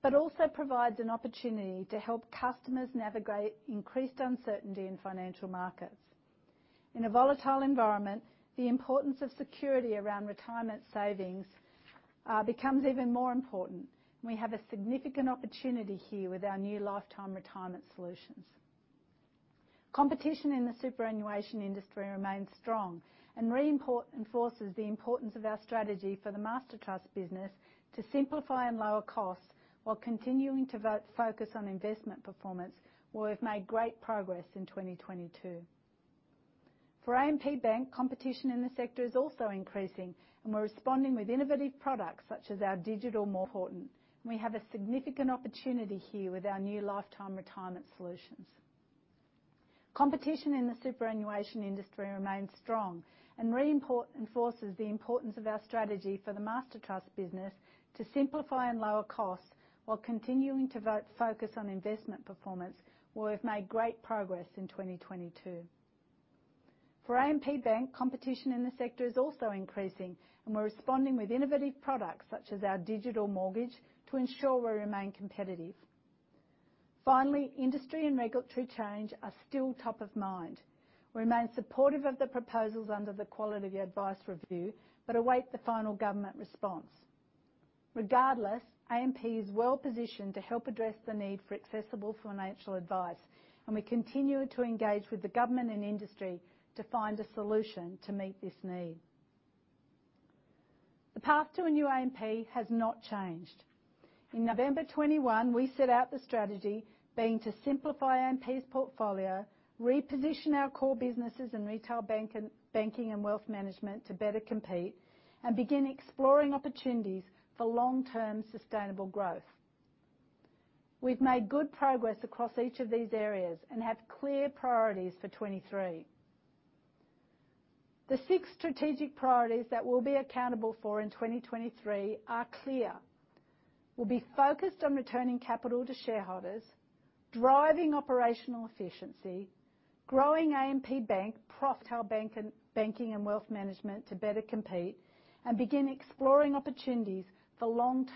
but also provides an opportunity to help customers navigate increased uncertainty in financial markets. In a volatile environment, the importance of security around retirement savings becomes even more important, and we have a significant opportunity here with our new lifetime retirement solutions. Competition in the superannuation industry remains strong and enforces the importance of our strategy for the Master Trust business to simplify and lower costs while continuing to focus on investment performance, where we've made great progress in 2022. For AMP Bank, competition in the sector is also increasing, and we're responding with innovative products such as our digital mortgage. Important. We have a significant opportunity here with our new lifetime retirement solutions. Competition in the superannuation industry remains strong and enforces the importance of our strategy for the Master Trust business to simplify and lower costs while continuing to focus on investment performance, where we've made great progress in 2022. For AMP Bank, competition in the sector is also increasing. We're responding with innovative products such as our digital mortgage to ensure we remain competitive. Finally, industry and regulatory change are still top of mind. We remain supportive of the proposals under the Quality of Advice Review. We await the final government response. Regardless, AMP is well-positioned to help address the need for accessible financial advice. We continue to engage with the government and industry to find a solution to meet this need. The path to a new AMP has not changed. In November 2021, we set out the strategy being to simplify AMP's portfolio, reposition our core businesses in banking and wealth management to better compete, and begin exploring opportunities for long-term sustainable growth. We've made good progress across each of these areas and have clear priorities for 2023. The six strategic priorities that we'll be accountable for in 2023 are clear. We'll be focused on returning capital to shareholders, driving operational efficiency, growing AMP Bank profit.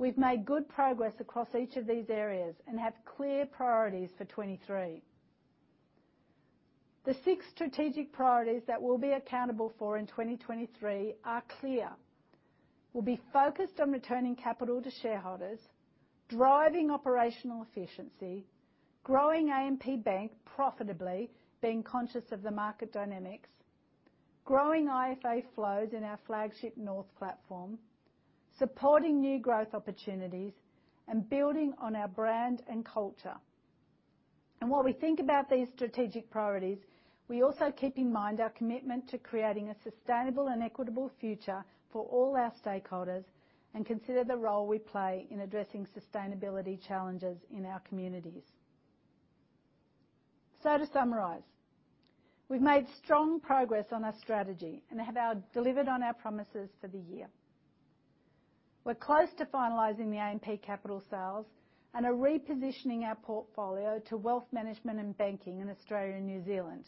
We'll be focused on returning capital to shareholders, driving operational efficiency, growing AMP Bank profitably, being conscious of the market dynamics, growing IFA flows in our flagship North platform, supporting new growth opportunities, and building on our brand and culture. While we think about these strategic priorities, we also keep in mind our commitment to creating a sustainable and equitable future for all our stakeholders and consider the role we play in addressing sustainability challenges in our communities. To summarize, we've made strong progress on our strategy and delivered on our promises for the year. We're close to finalizing the AMP Capital sales and are repositioning our portfolio to wealth management and banking in Australia and New Zealand.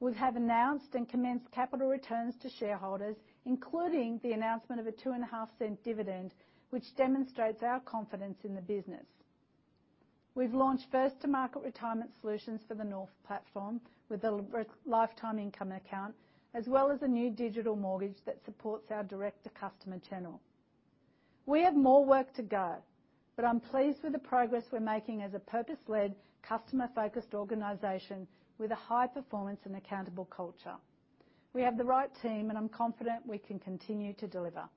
We have announced and commenced capital returns to shareholders, including the announcement of an 0.025 dividend, which demonstrates our confidence in the business. We've launched first to market retirement solutions for the North platform with the lifetime income account, as well as a new digital mortgage that supports our direct to customer channel. We have more work to go, but I'm pleased with the progress we're making as a purpose-led, customer-focused organization with a high-performance and accountable culture. We have the right team, and I'm confident we can continue to deliver.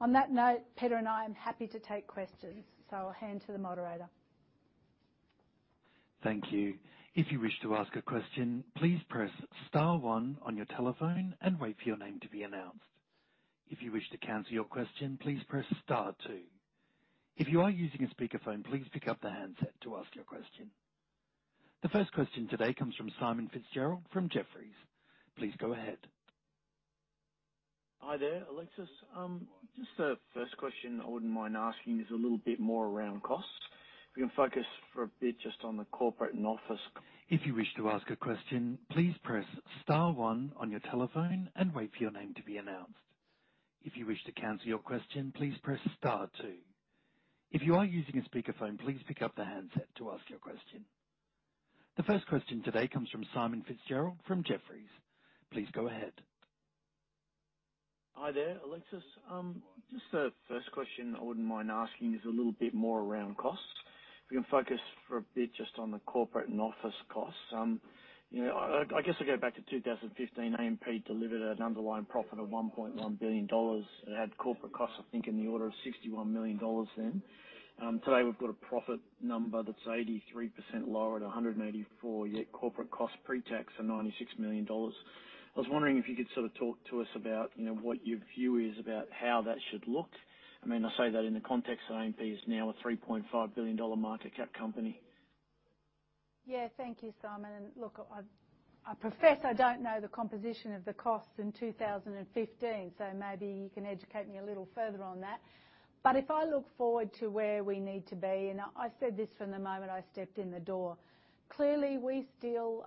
On that note, Peter and I am happy to take questions, so I'll hand to the moderator. Thank you. If you wish to ask a question, please press star one on your telephone and wait for your name to be announced. If you wish to cancel your question, please press star two. If you are using a speakerphone, please pick up the handset to ask your question. The first question today comes from Simon Fitzgerald from Jefferies. Please go ahead. Hi there, Alexis. Just the first question I wouldn't mind asking is a little bit more around cost. If you can focus for a bit just on the corporate and office costs, you know, I guess I go back to 2015, AMP delivered an underlying profit of 1.1 billion dollars. It had corporate costs, I think, in the order of 61 million dollars then. Today we've got a profit number that's 83% lower at 184 million, yet corporate costs pre-tax are 96 million dollars. I was wondering if you could sort of talk to us about, you know, what your view is about how that should look. I mean, I say that in the context that AMP is now a 3.5 billion dollar market cap company. Yeah, thank you, Simon. Look, I profess I don't know the composition of the costs in 2015, so maybe you can educate me a little further on that. If I look forward to where we need to be, and I said this from the moment I stepped in the door. Clearly, we still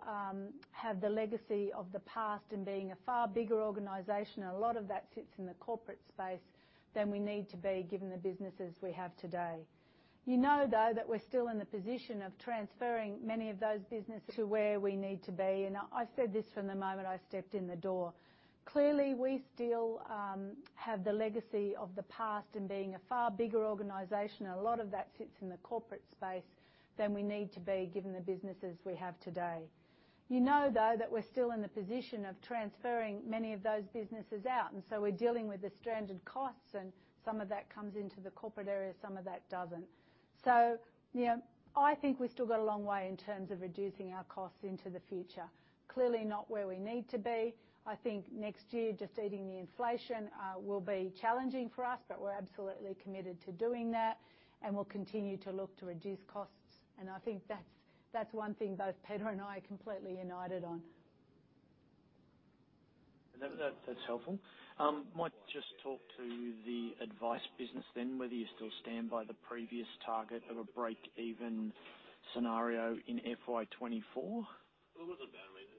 have the legacy of the past in being a far bigger organization, a lot of that sits in the corporate space, than we need to be given the businesses we have today. You know, though, that we're still in the position of transferring many of those business to where we need to be. I said this from the moment I stepped in the door. Clearly, we still have the legacy of the past in being a far bigger organization, a lot of that sits in the corporate space, than we need to be given the businesses we have today. We're still in the position of transferring many of those businesses out, we're dealing with the stranded costs, some of that comes into the corporate area, some of that doesn't. I think we still got a long way in terms of reducing our costs into the future. Clearly not where we need to be. I think next year, just eating the inflation will be challenging for us, we're absolutely committed to doing that, we'll continue to look to reduce costs. I think that's one thing both Pedro and I are completely united on. That's helpful. Might just talk to the advice business then, whether you still stand by the previous target of a break-even scenario in FY24?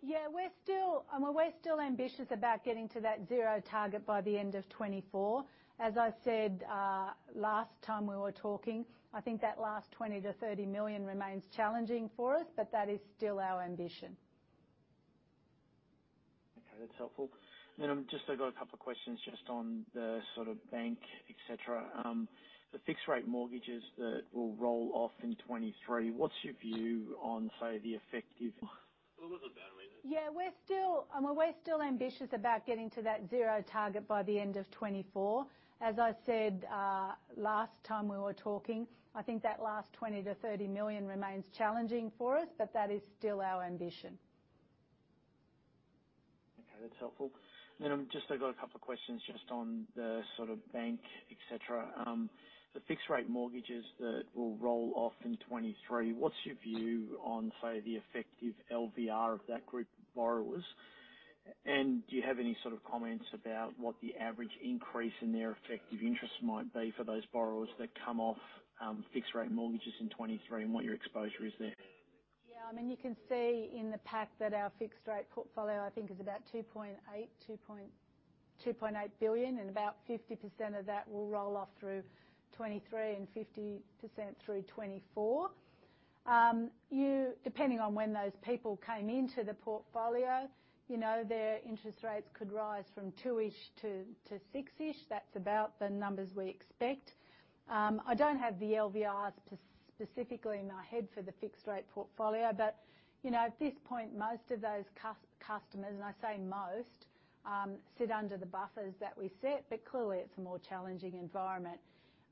Yeah, we're still, I mean, we're still ambitious about getting to that zero target by the end of 2024. As I said, last time we were talking, I think that last 20 million-30 million remains challenging for us, but that is still our ambition. Okay, that's helpful. Just I got a couple of questions just on the sort of bank, et cetera. The fixed rate mortgages that will roll off in 2023, what's your view on, say, the effective LVR of that group of borrowers? Do you have any sort of comments about what the average increase in their effective interest might be for those borrowers that come off fixed rate mortgages in 2023 and what your exposure is there? I mean, you can see in the pack that our fixed rate portfolio, I think, is about 2.8 billion, and about 50% of that will roll off through 2023 and 50% through 2024. Depending on when those people came into the portfolio, you know, their interest rates could rise from 2-ish to 6-ish. That's about the numbers we expect. I don't have the LVRs specifically in my head for the fixed rate portfolio, but you know, at this point, most of those customers, and I say most, sit under the buffers that we set, clearly it's a more challenging environment.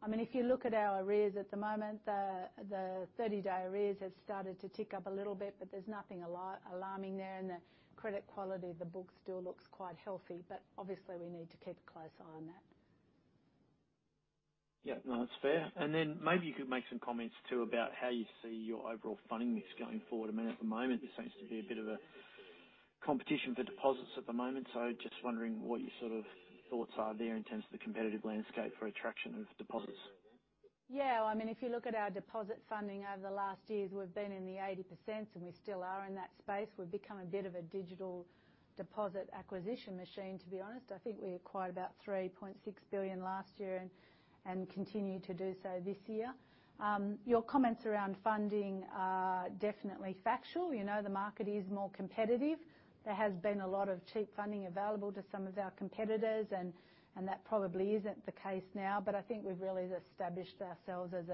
I mean, if you look at our arrears at the moment, the 30-day arrears have started to tick up a little bit, but there's nothing alarming there, and the credit quality of the book still looks quite healthy. Obviously, we need to keep a close eye on that. Yeah, no, that's fair. Then maybe you could make some comments too about how you see your overall funding mix going forward. I mean, at the moment, there seems to be a bit of a competition for deposits at the moment. Just wondering what your sort of thoughts are there in terms of the competitive landscape for attraction of deposits. I mean, if you look at our deposit funding over the last years, we've been in the 80%, and we still are in that space. We've become a bit of a digital deposit acquisition machine, to be honest. I think we acquired about 3.6 billion last year and continue to do so this year. Your comments around funding are definitely factual. You know, the market is more competitive. There has been a lot of cheap funding available to some of our competitors, and that probably isn't the case now. I think we've really established ourselves as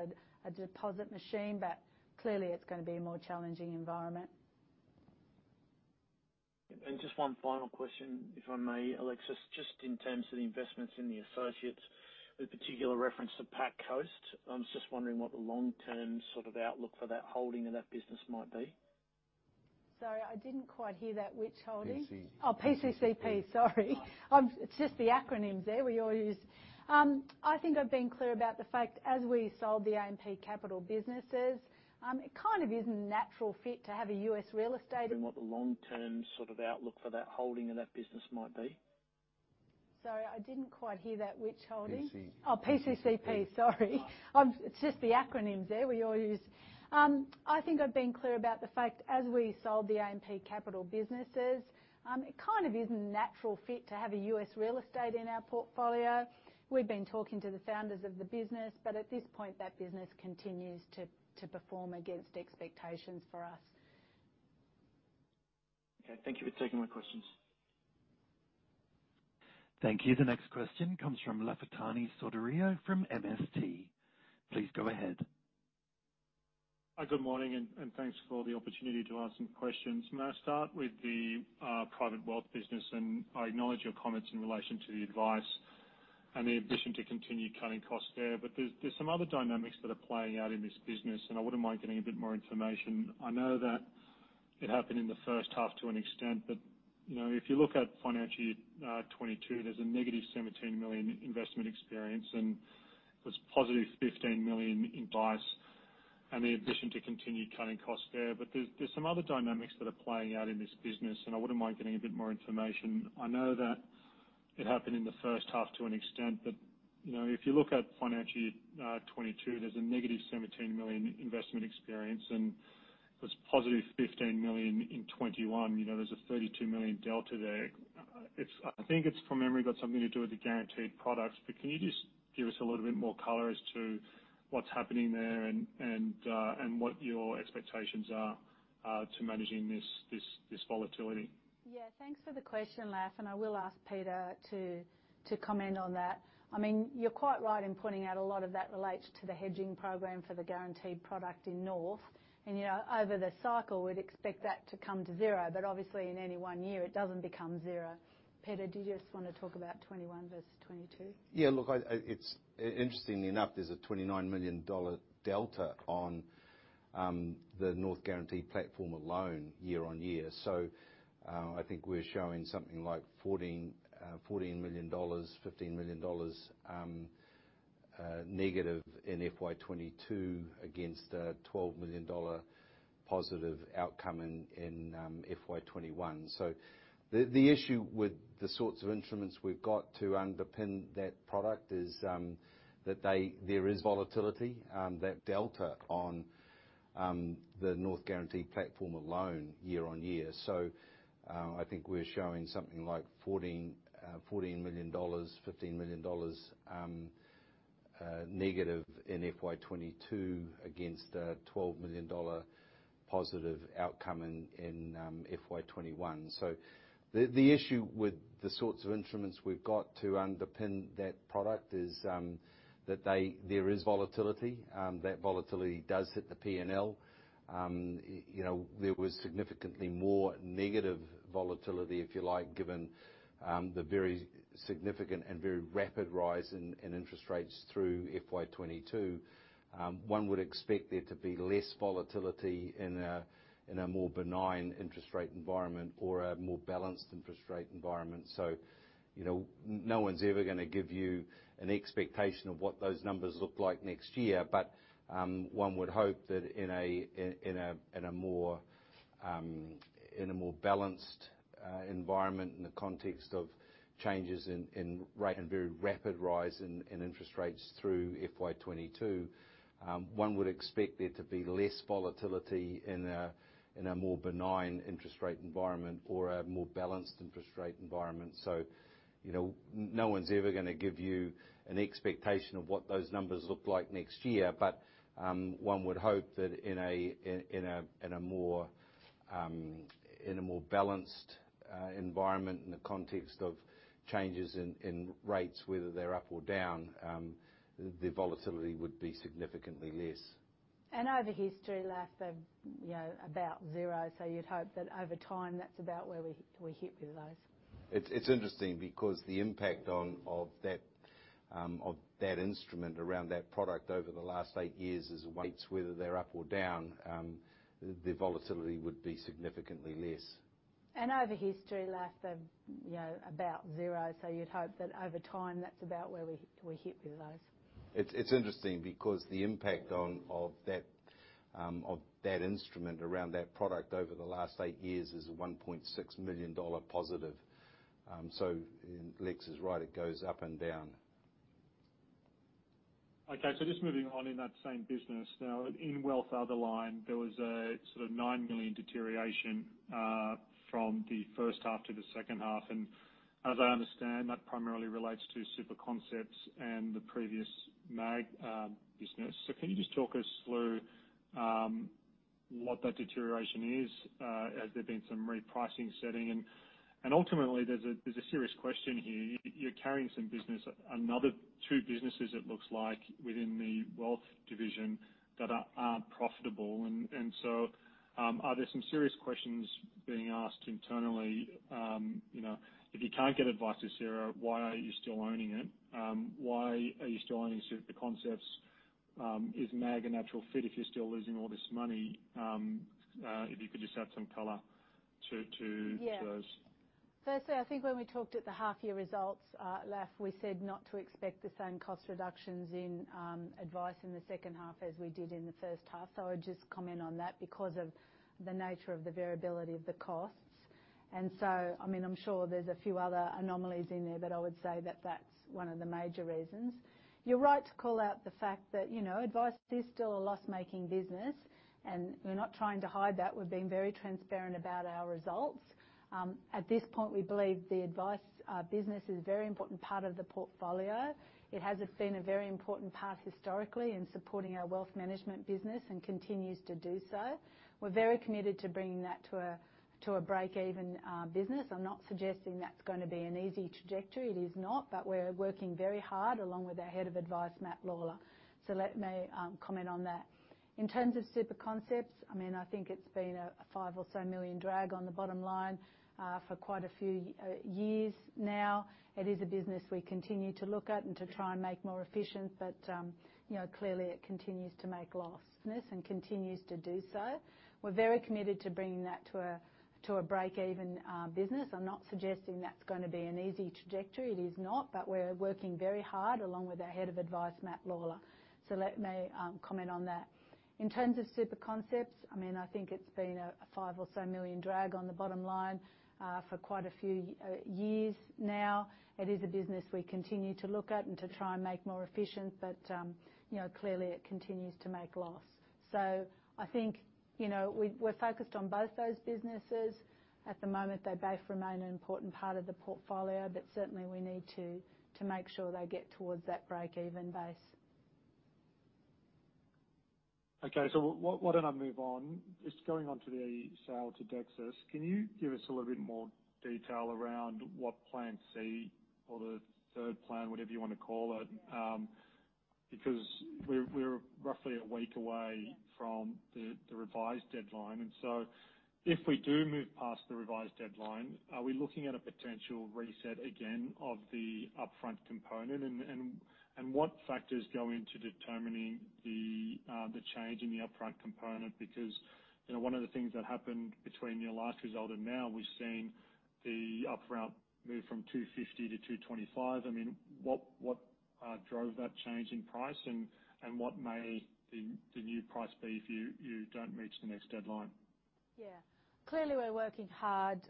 a deposit machine. Clearly, it's gonna be a more challenging environment. Just one final question, if I may, Alexis, just in terms of the investments in the associates with particular reference to PacCoast, I'm just wondering what the long-term sort of outlook for that holding of that business might be? Sorry, I didn't quite hear that. Which holding? PC. PCCP. Sorry. It's just the acronyms there we all use. I think I've been clear about the fact as we sold the AMP Capital businesses, it kind of isn't natural fit to have a US real estate in our portfolio. We've been talking to the founders of the business. At this point, that business continues to perform against expectations for us. Okay. Thank you for taking my questions. Thank you. The next question comes from Lafitani Sotiriou from MST. Please go ahead. Good morning, and thanks for the opportunity to ask some questions. May I start with the private wealth business. I acknowledge your comments in relation to the advice and the ambition to continue cutting costs there. There's some other dynamics that are playing out in this business, and I wouldn't mind getting a bit more information. I know that it happened in the first half to an extent, but, you know, if you look at FY 2022, there's a negative AUD 17 million investment experience, and there's positive AUD 15 million in bias and the ambition to continue cutting costs there. There's some other dynamics that are playing out in this business, and I wouldn't mind getting a bit more information. I know that it happened in the first half to an extent, but, you know, if you look at financial year 2022, there's a negative 17 million investment experience, and there's positive 15 million in 21. You know, there's a 32 million delta there. It's I think it's, from memory, got something to do with the guaranteed products. Can you just give us a little bit more color as to what's happening there and what your expectations are to managing this volatility? Thanks for the question, Laf, I will ask Peter to comment on that. I mean, you're quite right in pointing out a lot of that relates to the hedging program for the guaranteed product in North. You know, over the cycle, we'd expect that to come to zero. Obviously, in any one year, it doesn't become zero. Peter, do you just wanna talk about 2021 versus 2022? Yeah. Look, interestingly enough, there's a $29 million delta on the North Guarantee platform alone year-over-year. I think we're showing something like $14 million, $15 million negative in FY 2022 against $12 million positive outcome in FY 2021. The issue with the sorts of instruments we've got to underpin that product is that there is volatility, that delta on the North Guarantee platform alone year-over-year. I think we're showing something like $14 million, $15 million negative in FY 2022 against $12 million positive outcome in FY 2021. The issue with the sorts of instruments we've got to underpin that product is that there is volatility. That volatility does hit the P&L. You know, there was significantly more negative volatility, if you like, given the very significant and very rapid rise in interest rates through FY 2022. One would expect there to be less volatility in a more benign interest rate environment or a more balanced interest rate environment. You know, no one's ever gonna give you an expectation of what those numbers look like next year. One would hope that in a more, in a more balanced environment in the context of changes in and very rapid rise in interest rates through FY 2022, one would expect there to be less volatility in a more benign interest rate environment or a more balanced interest rate environment. You know, no one's ever gonna give you an expectation of what those numbers look like next year. But one would hope that in a, in a, in a more, in a more balanced environment in the context of changes in rates, whether they're up or down, the volatility would be significantly less. Over history last, you know, about zero, so you'd hope that over time that's about where we hit with those. It's interesting because the impact of that, of that instrument around that product over the last eight years is weights, whether they're up or down, the volatility would be significantly less. Just moving on in that same business. Now, in Wealth other line, there was a sort of 9 million deterioration from the first half to the second half. As I understand, that primarily relates to SuperConcepts and the previous MAG business. Can you just talk us through what that deterioration is? Has there been some repricing setting? Ultimately, there's a serious question here. You're carrying some business, another two businesses it looks like, within the Wealth division that aren't profitable. Are there some serious questions being asked internally? You know, if you can't get advice to Jigsaw, why are you still owning it? Why are you still owning SuperConcepts? Is MAG a natural fit if you're still losing all this money? If you could just add some color to- Yeah -to those. I think when we talked at the half-year results, Laf, we said not to expect the same cost reductions in advice in the second half as we did in the first half. I would just comment on that because of the nature of the variability of the costs. I mean, I'm sure there's a few other anomalies in there, but I would say that that's one of the major reasons. You're right to call out the fact that, you know, advice is still a loss-making business, and we're not trying to hide that. We've been very transparent about our results. At this point, we believe the advice business is a very important part of the portfolio. It has been a very important part historically in supporting our wealth management business and continues to do so. We're very committed to bringing that to a break-even business. I'm not suggesting that's gonna be an easy trajectory. It is not. We're working very hard, along with our Head of Advice, Matt Lawler. Let me comment on that. In terms of SuperConcepts, I mean, I think it's been a 5 million or so drag on the bottom line for quite a few years now. It is a business we continue to look at and to try and make more efficient, but, you know, clearly it continues to make loss, and continues to do so. We're very committed to bringing that to a break-even business. I'm not suggesting that's gonna be an easy trajectory. It is not. We're working very hard, along with our Head of Advice, Matt Lawler. Let me comment on that. In terms of SuperConcepts, I mean, I think it's been a 5 million drag on the bottom line, for quite a few years now. It is a business we continue to look at and to try and make more efficient, but, you know, clearly it continues to make loss. I think, you know, we're focused on both those businesses. At the moment, they both remain an important part of the portfolio, but certainly we need to make sure they get towards that break-even base. Okay. why don't I move on? Just going on to the sale to Dexus. Can you give us a little bit more detail around what plan C or the third plan, whatever you wanna call it? Because we're roughly a week away from the revised deadline, if we do move past the revised deadline, are we looking at a potential reset again of the upfront component? What factors go into determining the change in the upfront component? Because, you know, one of the things that happened between your last result and now, we've seen the upfront move from $250-$225. I mean, what drove that change in price? What may the new price be if you don't reach the next deadline? Yeah. Clearly, we're working hard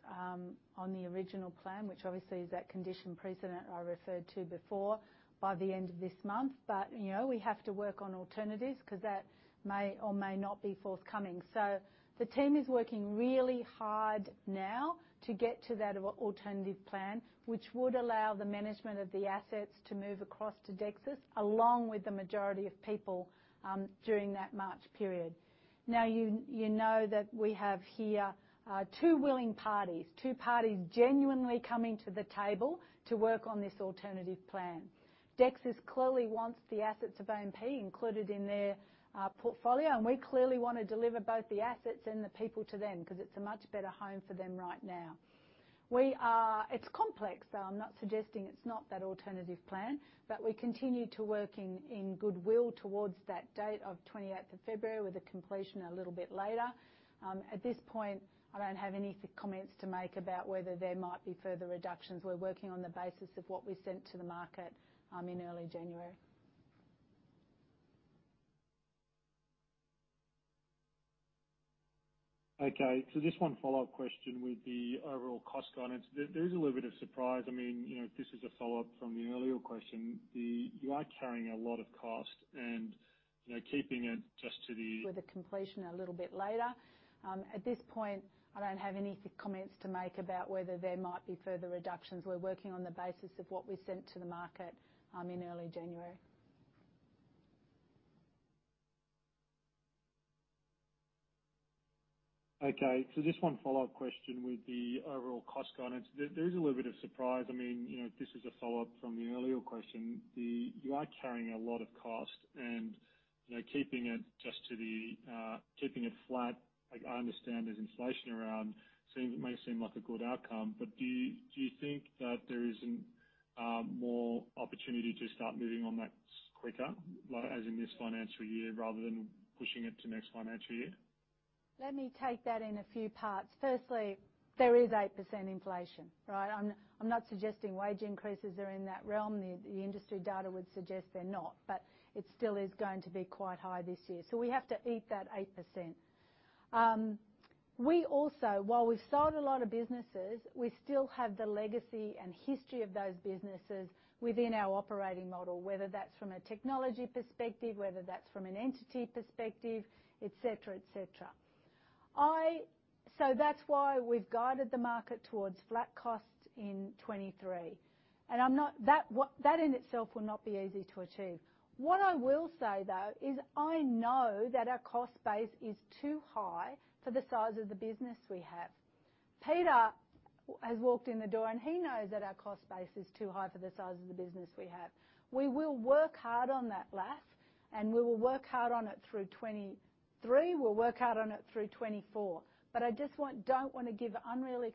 on the original plan, which obviously is that condition precedent I referred to before, by the end of this month. You know, we have to work on alternatives 'cause that may or may not be forthcoming. The team is working really hard now to get to that alternative plan, which would allow the management of the assets to move across to Dexus, along with the majority of people, during that March period. You know that we have here two willing parties, two parties genuinely coming to the table to work on this alternative plan. Dexus clearly wants the assets of AMP included in their portfolio, and we clearly wanna deliver both the assets and the people to them, 'cause it's a much better home for them right now. We are It's complex, so I'm not suggesting it's not that alternative plan. We continue to working in goodwill towards that date of 28th of February, with the completion a little bit later. At this point, I don't have any comments to make about whether there might be further reductions. We're working on the basis of what we sent to the market in early January. Okay, just one follow-up question with the overall cost guidance. There is a little bit of surprise. I mean, you know, this is a follow-up from the earlier question. You are carrying a lot of cost and, you know, keeping it just to the- With the completion a little bit later. At this point, I don't have any comments to make about whether there might be further reductions. We're working on the basis of what we sent to the market in early January. Okay, just one follow-up question with the overall cost guidance. There is a little bit of surprise. I mean, you know, this is a follow-up from the earlier question. You are carrying a lot of cost and, you know, keeping it just to the, keeping it flat, like I understand there's inflation around, seem, may seem like a good outcome. Do you think that there isn't more opportunity to start moving on that quicker, as in this financial year, rather than pushing it to next financial year? Let me take that in a few parts. Firstly, there is 8% inflation, right? I'm not suggesting wage increases are in that realm. The industry data would suggest they're not. It still is going to be quite high this year, so we have to eat that 8%. We also, while we've sold a lot of businesses, we still have the legacy and history of those businesses within our operating model, whether that's from a technology perspective, whether that's from an entity perspective, et cetera, et cetera. So that's why we've guided the market towards flat costs in 2023, and I'm not. That in itself will not be easy to achieve. What I will say, though, is I know that our cost base is too high for the size of the business we have. Peter has walked in the door, and he knows that our cost base is too high for the size of the business we have. We will work hard on that, Laf, and we will work hard on it through 2023. We'll work hard on it through 2024. I just don't wanna give unreal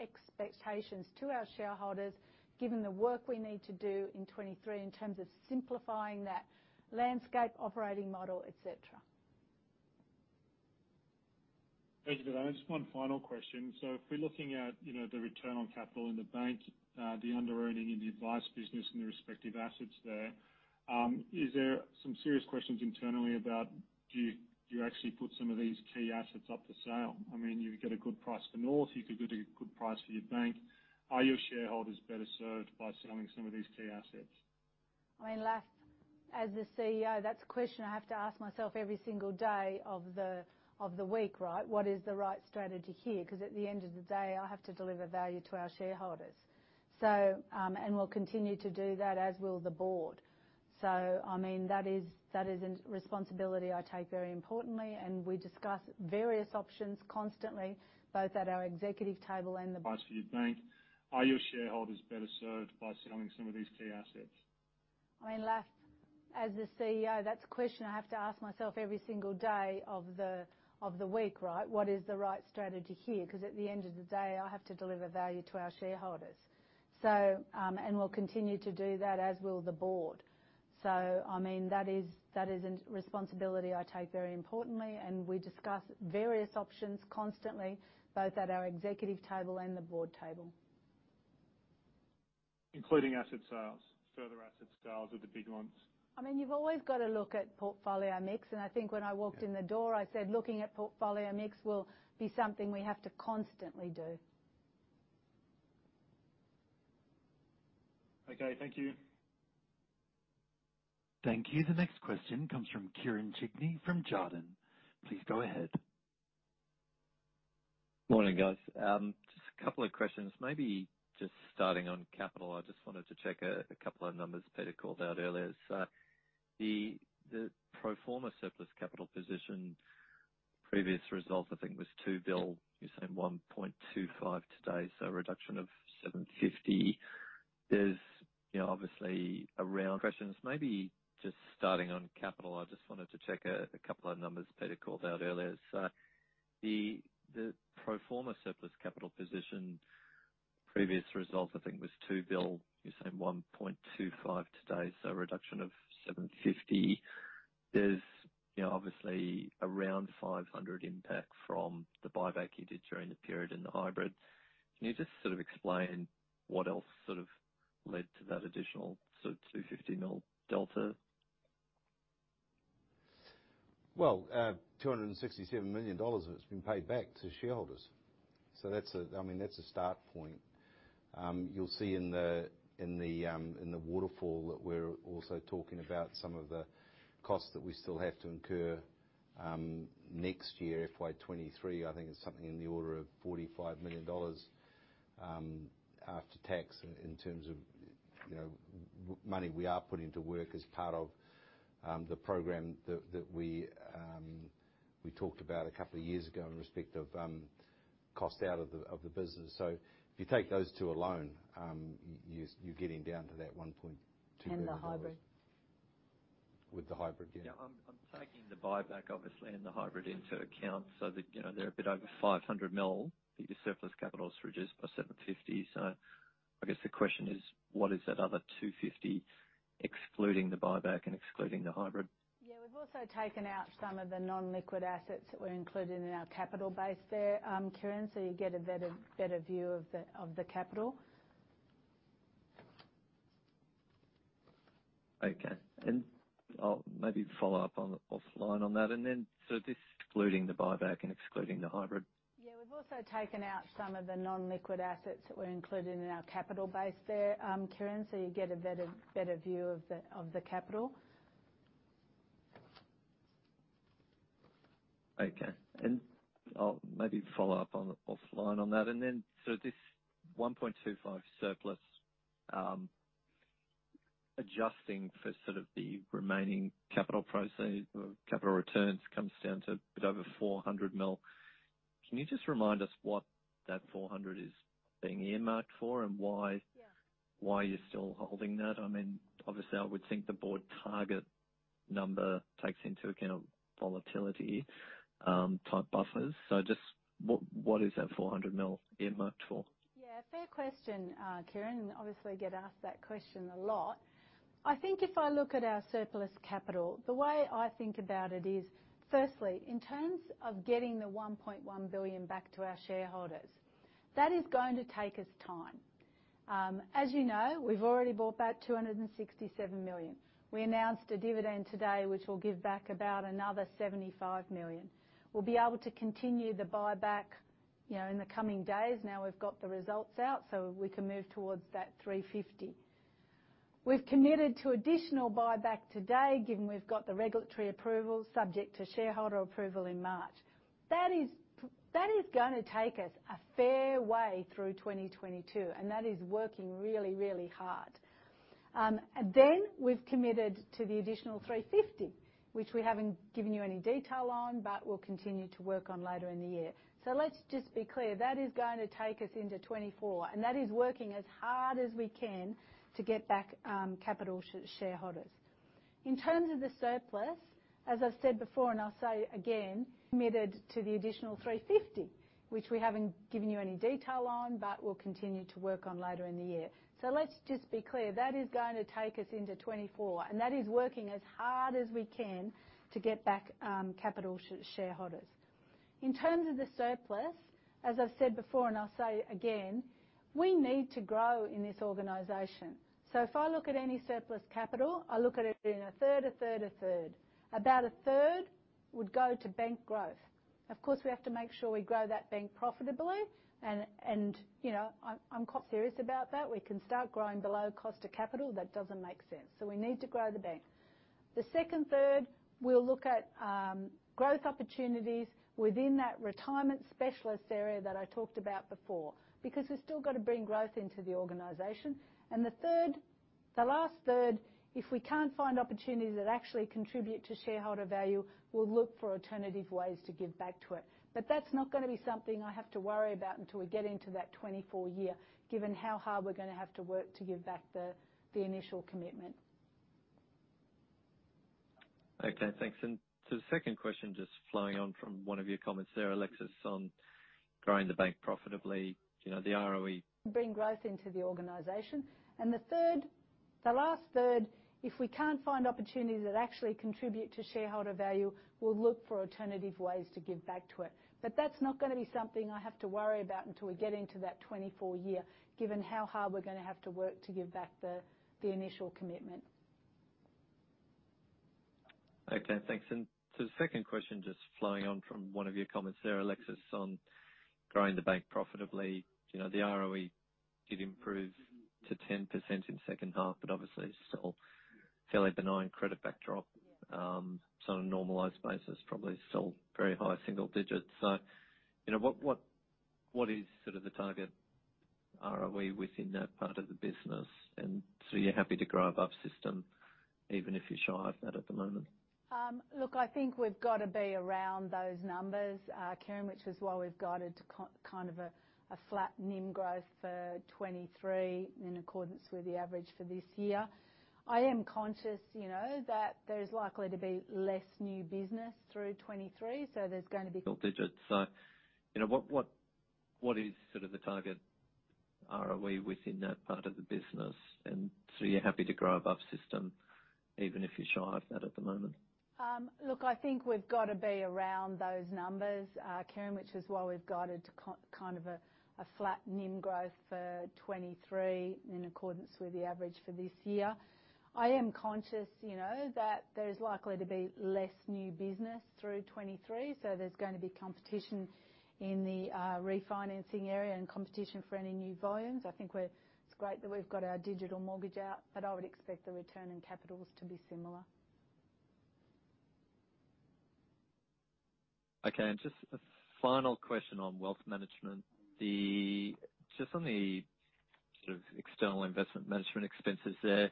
expectations to our shareholders, given the work we need to do in 2023 in terms of simplifying that landscape operating model, et cetera. Thank you for that. Just one final question. If we're looking at, you know, the return on capital in the bank, the underearning in the advice business and the respective assets there, is there some serious questions internally about do you actually put some of these key assets up for sale? I mean, you would get a good price for North. You could get a good price for your bank. Are your shareholders better served by selling some of these key assets? I mean, Laf, as the CEO, that's a question I have to ask myself every single day of the I mean, you've always gotta look at portfolio mix, and I think when I walked in the door, I said looking at portfolio mix will be something we have to constantly do. Okay. Thank you. Thank you. The next question comes from Kieren Chidgey from Jarden. Please go ahead. Morning, guys. Just a couple of questions. Maybe just starting on capital, I just wanted to check a couple of numbers Peter called out earlier. The pro forma surplus capital position, previous result I think was 2 billion. You're saying 1.25 billion today, so a reduction of 750 million. There's, you know, obviously around 500 million impact from the buyback you did during the period in the hybrid. Can you just sort of explain what else sort of led to that additional sort of 250 million delta? 267 million dollars of it's been paid back to shareholders, so that's a, I mean, that's a start point. You'll see in the, in the, in the waterfall that we're also talking about some of the costs that we still have to incur next year, FY 2023. I think it's something in the order of 45 million dollars after tax in terms of, you know, money we are putting to work as part of the program that we talked about a couple of years ago in respect of cost out of the business. If you take those two alone, you're getting down to that 1.2 billion. The hybrid. With the hybrid, yeah. Yeah, I'm taking the buyback obviously and the hybrid into account so that, you know, they're a bit over 500 million. Your surplus capital is reduced by 750. I guess the question is what is that other 250 excluding the buyback and excluding the hybrid? Yeah. We've also taken out some of the non-liquid assets that were included in our capital base there, Kieren, so you get a better view of the capital. Okay. I'll maybe follow up on offline on that. This excluding the buyback and excluding the hybrid. Yeah. We've also taken out some of the non-liquid assets that were included in our capital base there, Kieren, so you get a better view of the capital. Okay. I'll maybe follow up on offline on that. This AUD 1.25 surplus, adjusting for sort of the remaining capital proceeds or capital returns comes down to a bit over 400 million. Can you just remind us what that 400 is being earmarked for? Yeah. Why you're still holding that? I mean, obviously I would think the board target number takes into account volatility, type buffers. Just what is that 400 million earmarked for? Yeah. Fair question, Kieren. Obviously get asked that question a lot. I think if I look at our surplus capital, the way I think about it is, firstly, in terms of getting the 1.1 billion back to our shareholders, that is going to take us time. As you know, we've already bought back 267 million. We announced a dividend today, which will give back about another 75 million. We'll be able to continue the buyback, you know, in the coming days now we've got the results out, so we can move towards that 350 million. We've committed to additional buyback today, given we've got the regulatory approval subject to shareholder approval in March. That is gonna take us a fair way through 2022, and that is working really, really hard. We've committed to the additional 350, which we haven't given you any detail on, but we'll continue to work on later in the year. Let's just be clear. That is going to take us into 2024, that is working as hard as we can to get back capital to shareholders. In terms of the surplus, as I've said before, and I'll say again, committed to the additional 350, which we haven't given you any detail on, but we'll continue to work on later in the year. Let's just be clear. That is going to take us into 2024, that is working as hard as we can to get back capital to shareholders. In terms of the surplus, as I've said before, and I'll say again, we need to grow in this organization. If I look at any surplus capital, I look at it being a third, a third, a third. About a third would go to bank growth. Of course, we have to make sure we grow that bank profitably and, you know, I'm quite serious about that. We can start growing below cost of capital. That doesn't make sense. We need to grow the bank. The second third, we'll look at growth opportunities within that retirement specialist area that I talked about before, because we've still got to bring growth into the organization. The third, the last third, if we can't find opportunities that actually contribute to shareholder value, we'll look for alternative ways to give back to it. On a normalized basis, probably still very high single digits. You know, what is sort of the target ROE within that part of the business? you're happy to grow above system even if you're shy of that at the moment? Look, I think we've got to be around those numbers, Kieren, which is why we've guided to kind of a flat NIM growth for 2023 in accordance with the average for this year. I am conscious, you know, that there is likely to be less new business through 2023, so there's gonna be. single digits. You know, what is sort of the target ROE within that part of the business? You're happy to grow above system even if you're shy of that at the moment. Look, I think we've got to be around those numbers, Kieren, which is why we've guided to kind of a flat NIM growth for 2023 in accordance with the average for this year. I am conscious, you know, that there is likely to be less new business through 2023, so there's gonna be competition in the refinancing area and competition for any new volumes. I think It's great that we've got our digital mortgage out, but I would expect the return in capitals to be similar. Okay. Just a final question on Wealth Management. Just on the sort of external Investment Management Expenses there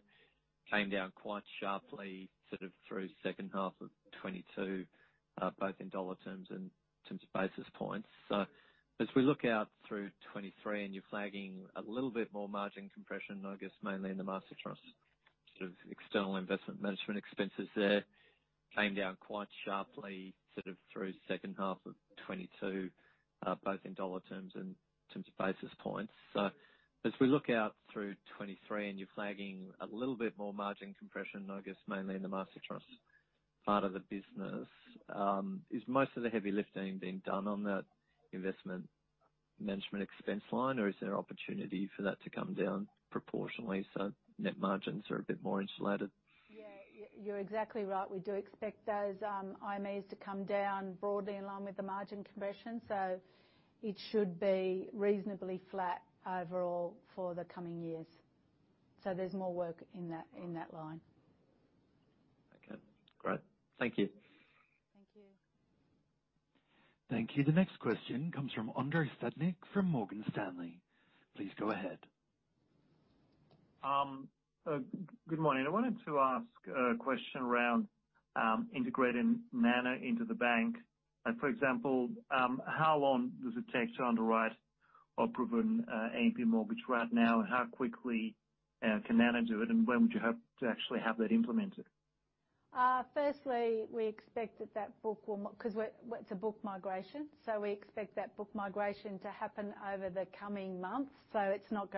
came down quite sharply sort of through H2 of 2022, both in AUD terms and in terms of basis points. As we look out through 2023 and you're flagging a little bit more margin compression, I guess mainly in the Master Trust sort of external Investment Management Expenses there came down quite sharply sort of through H2 of 2022, both in AUD terms and in terms of basis points. As we look out through 2023 and you're flagging a little bit more margin compression, I guess mainly in the Master Trust part of the business, is most of the heavy lifting being done on that investment management expense line or is there opportunity for that to come down proportionally so net margins are a bit more insulated? Yeah. You're exactly right. We do expect those IMEs to come down broadly in line with the margin compression. It should be reasonably flat overall for the coming years. There's more work in that line. Okay. Great. Thank you. Thank you. Thank you. The next question comes from Andrei Stadnik from Morgan Stanley. Please go ahead. Good morning. I wanted to ask a question around integrating Mana into the bank. For example, how long does it take to underwrite a proven AMP mortgage right now, and how quickly can Mana do it, and when would you hope to actually have that implemented? Firstly, we expect that book 'cause it's a book migration, so we expect that book migration to happen over the coming months, so it's not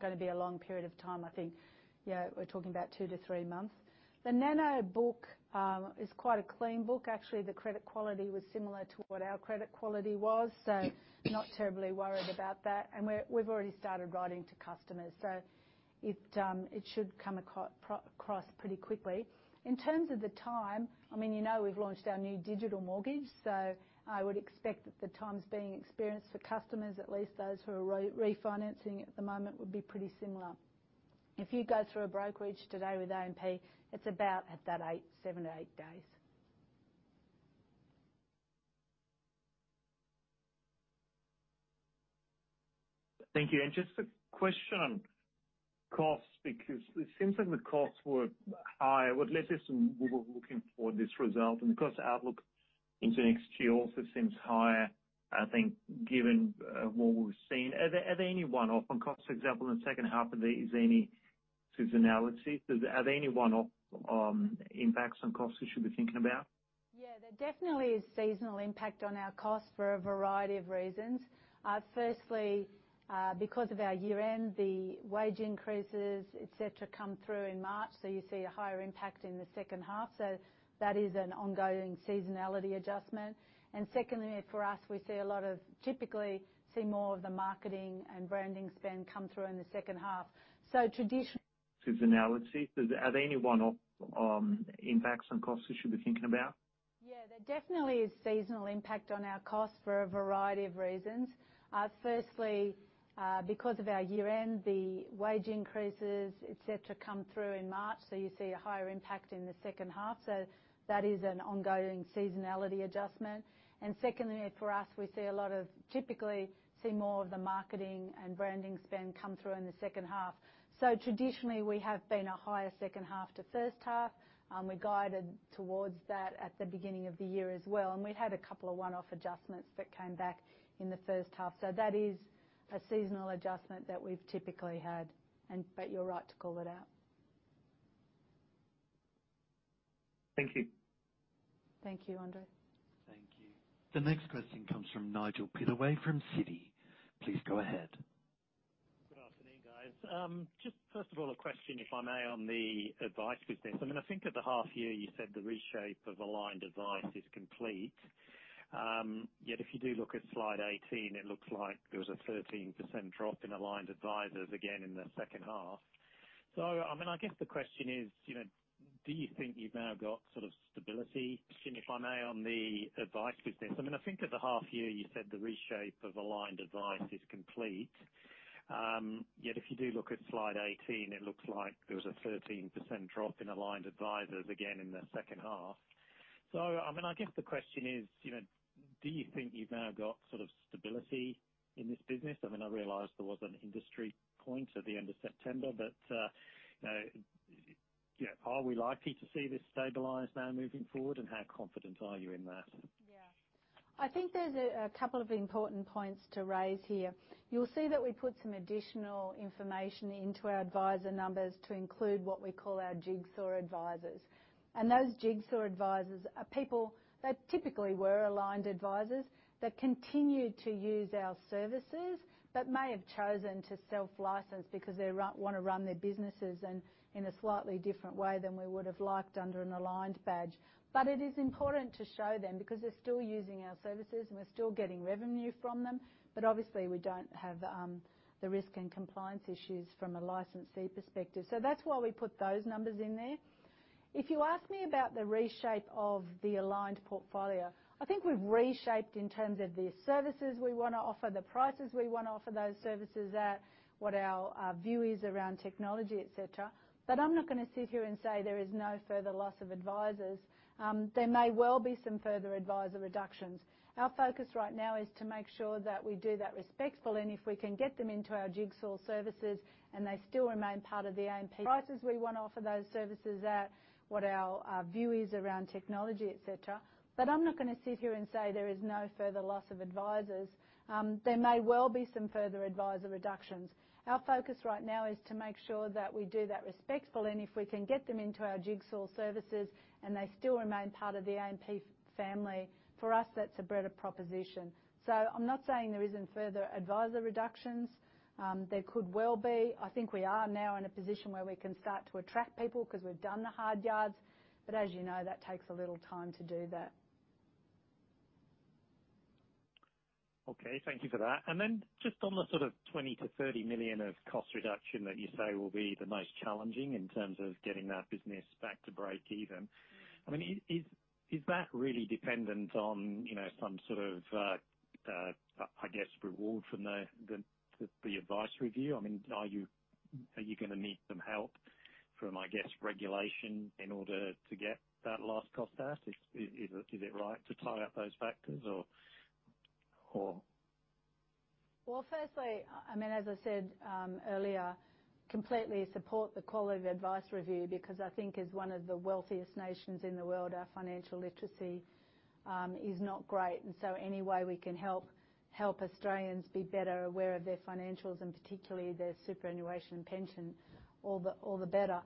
gonna be a long period of time. I think, you know, we're talking about two-three months. The Nano book is quite a clean book. Actually, the credit quality was similar to what our credit quality was, so not terribly worried about that. We've already started writing to customers. It should come across pretty quickly. In terms of the time, I mean, you know we've launched our new digital mortgage, so I would expect that the times being experienced for customers, at least those who are refinancing at the moment, would be pretty similar. If you go through a brokerage today with AMP, it's about at that eight, seven-eight days. Thank you. Just a question on because of our year-end, the wage increases, et cetera, come through in March, so you see a higher impact in the second half. That is an ongoing seasonality adjustment. Secondly, for us, we typically see more of the marketing and branding spend come through in the second half. Traditionally, we have been a higher second half to first half. We guided towards that at the beginning of the year as well, and we'd had a couple of one-off adjustments that came back in the first half. That is a seasonal adjustment that we've typically had but you're right to call it out. Thank you. Thank you, Andre. Thank you. The next question comes from Nigel Pittaway from Citi. Please go ahead. Good afternoon, guys. Just first of all, a question, if I may, on the advice business. I mean, I think at the half year you said the reshape of Aligned Advice is complete. Yet if you do look at slide 18, it looks like there was a 13% drop in aligned advisers again in the second half. I mean, I guess the question is, you know, do you think you've now got sort of stability? I mean, I guess the question is, you know, do you think you've now got sort of stability in this business? I mean, I realize there was an industry point at the end of September, but, you know, yeah, are we likely to see this stabilized now moving forward, and how confident are you in that? I think there's a couple of important points to raise here. You'll see that we put some additional information into our advisor numbers to include what we call our Jigsaw advisors. Those Jigsaw advisors are people that typically were aligned advisors that continue to use our services but may have chosen to self-license because they wanna run their businesses and in a slightly different way than we would have liked under an Aligned badge. It is important to show them because they're still using our services, and we're still getting revenue from them. Obviously we don't have the risk and compliance issues from a licensee perspective. That's why we put those numbers in there. If you ask me about the reshape of the Aligned portfolio, I think we've reshaped in terms of the services we wanna offer, the prices we wanna offer those services at, what our view is around technology, et cetera. I'm not gonna sit here and say there is no further loss of advisers. There may well be some further adviser reductions. Our focus right now is to make sure that we do that respectfully, and if we can get them into our Jigsaw services, and they still remain part of the AMP. Our focus right now is to make sure that we do that respectfully, and if we can get them into our Jigsaw services, and they still remain part of the AMP family, for us that's a better proposition. I'm not saying there isn't further advisor reductions. There could well be. I think we are now in a position where we can start to attract people 'cause we've done the hard yards. As you know, that takes a little time to do that. Okay. Thank you for that. Just on the sort of 20 million-30 million of cost reduction that you say will be the most challenging in terms of getting that business back to breakeven, I mean, is that really dependent on, you know, some sort of, I guess, reward from the Advice Review? I mean, are you gonna need some help from, I guess, regulation in order to get that last cost out? Is it right to tie up those factors or? Well, firstly, I mean, as I said, earlier, completely support the Quality of Advice Review because I think as one of the wealthiest nations in the world, our financial literacy is not great. Any way we can help Australians be better aware of their financials, and particularly their superannuation and pension, all the better.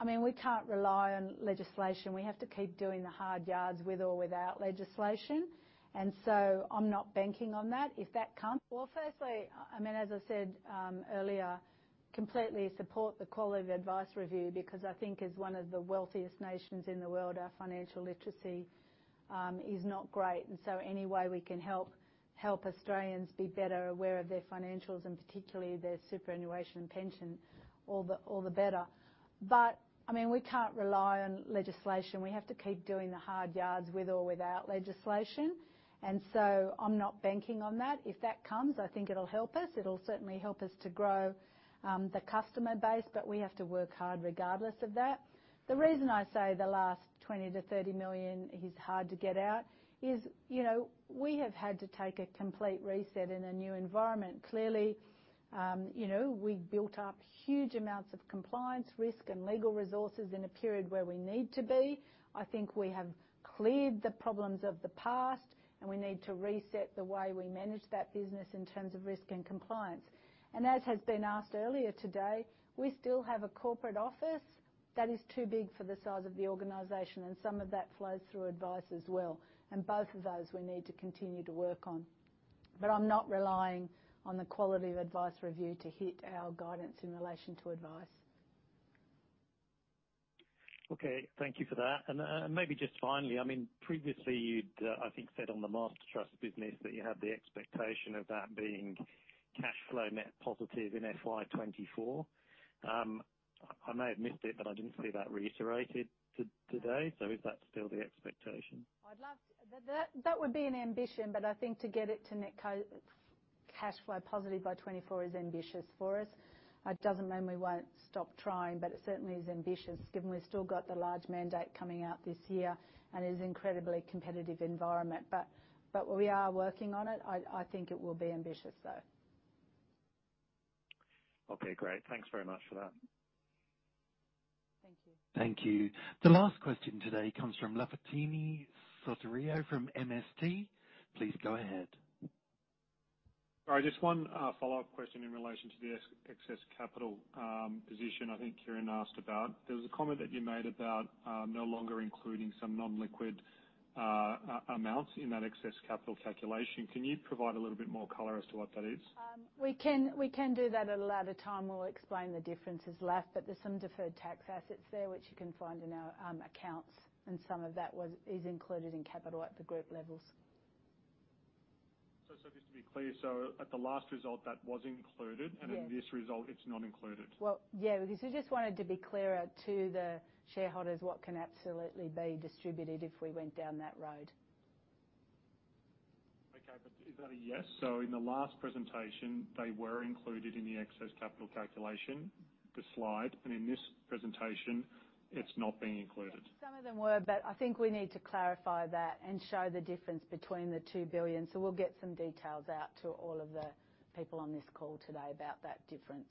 I mean, we can't rely on legislation. We have to keep doing the hard yards with or without legislation. I'm not banking on that. If that comes. Well, firstly, I mean, as I said, earlier, completely support the Quality of Advice Review, because I think as one of the wealthiest nations in the world, our financial literacy is not great. Any way we can help Australians be better aware of their financials and particularly their superannuation and pension all the better. I mean, we can't rely on legislation. We have to keep doing the hard yards with or without legislation. I'm not banking on that. If that comes, I think it'll help us. It'll certainly help us to grow the customer base, but we have to work hard regardless of that. The reason I say the last 20 million-30 million is hard to get out is, you know, we have had to take a complete reset in a new environment. Clearly, you know, we've built up huge amounts of compliance, risk, and legal resources in a period where we need to be. I think we have cleared the problems of the past, and we need to reset the way we manage that business in terms of risk and compliance. As has been asked earlier today, we still have a corporate office that is too big for the size of the organization, and some of that flows through advice as well. Both of those we need to continue to work on. I'm not relying on the Quality of Advice Review to hit our guidance in relation to advice. Okay, thank you for that. Maybe just finally, I mean, previously you'd, I think said on the Master Trust business that you had the expectation of that being cashflow net positive in FY24. I may have missed it, I didn't see that reiterated today, is that still the expectation? I'd love. That would be an ambition, I think to get it to net co-cashflow positive by 2024 is ambitious for us. It doesn't mean we won't stop trying, but it certainly is ambitious given we've still got the large mandate coming out this year, and it is incredibly competitive environment. We are working on it. I think it will be ambitious, though. Okay, great. Thanks very much for that. Thank you. Thank you. The last question today comes from Lafitani Sotiriou from MST. Please go ahead. All right, just one follow-up question in relation to the ex-excess capital position I think Kieran asked about. There was a comment that you made about no longer including some non-liquid amounts in that excess capital calculation. Can you provide a little bit more color as to what that is? We can do that at a later time. We'll explain the differences Laf, but there's some deferred tax assets there which you can find in our accounts, and some of that is included in capital at the group levels. Just to be clear, so at the last result, that was included. Yes. In this result, it's not included. Well, yeah, because we just wanted to be clearer to the shareholders what can absolutely be distributed if we went down that road. Okay, but is that a yes? In the last presentation, they were included in the excess capital calculation, the slide, and in this presentation, it's not being included. Some of them were, I think we need to clarify that and show the difference between the 2 billion. We'll get some details out to all of the people on this call today about that difference.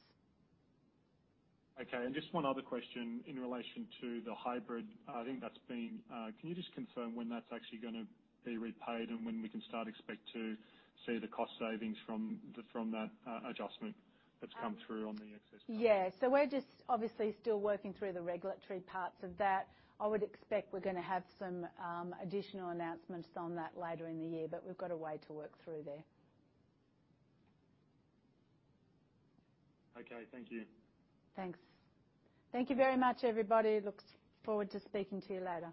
Okay, just one other question in relation to the hybrid. I think that's been. Can you just confirm when that's actually gonna be repaid and when we can start expect to see the cost savings from that adjustment that's come through on the excess capital? Yeah. We're just obviously still working through the regulatory parts of that. I would expect we're gonna have some additional announcements on that later in the year, but we've got a way to work through there. Okay, thank you. Thanks. Thank you very much, everybody. Look forward to speaking to you later.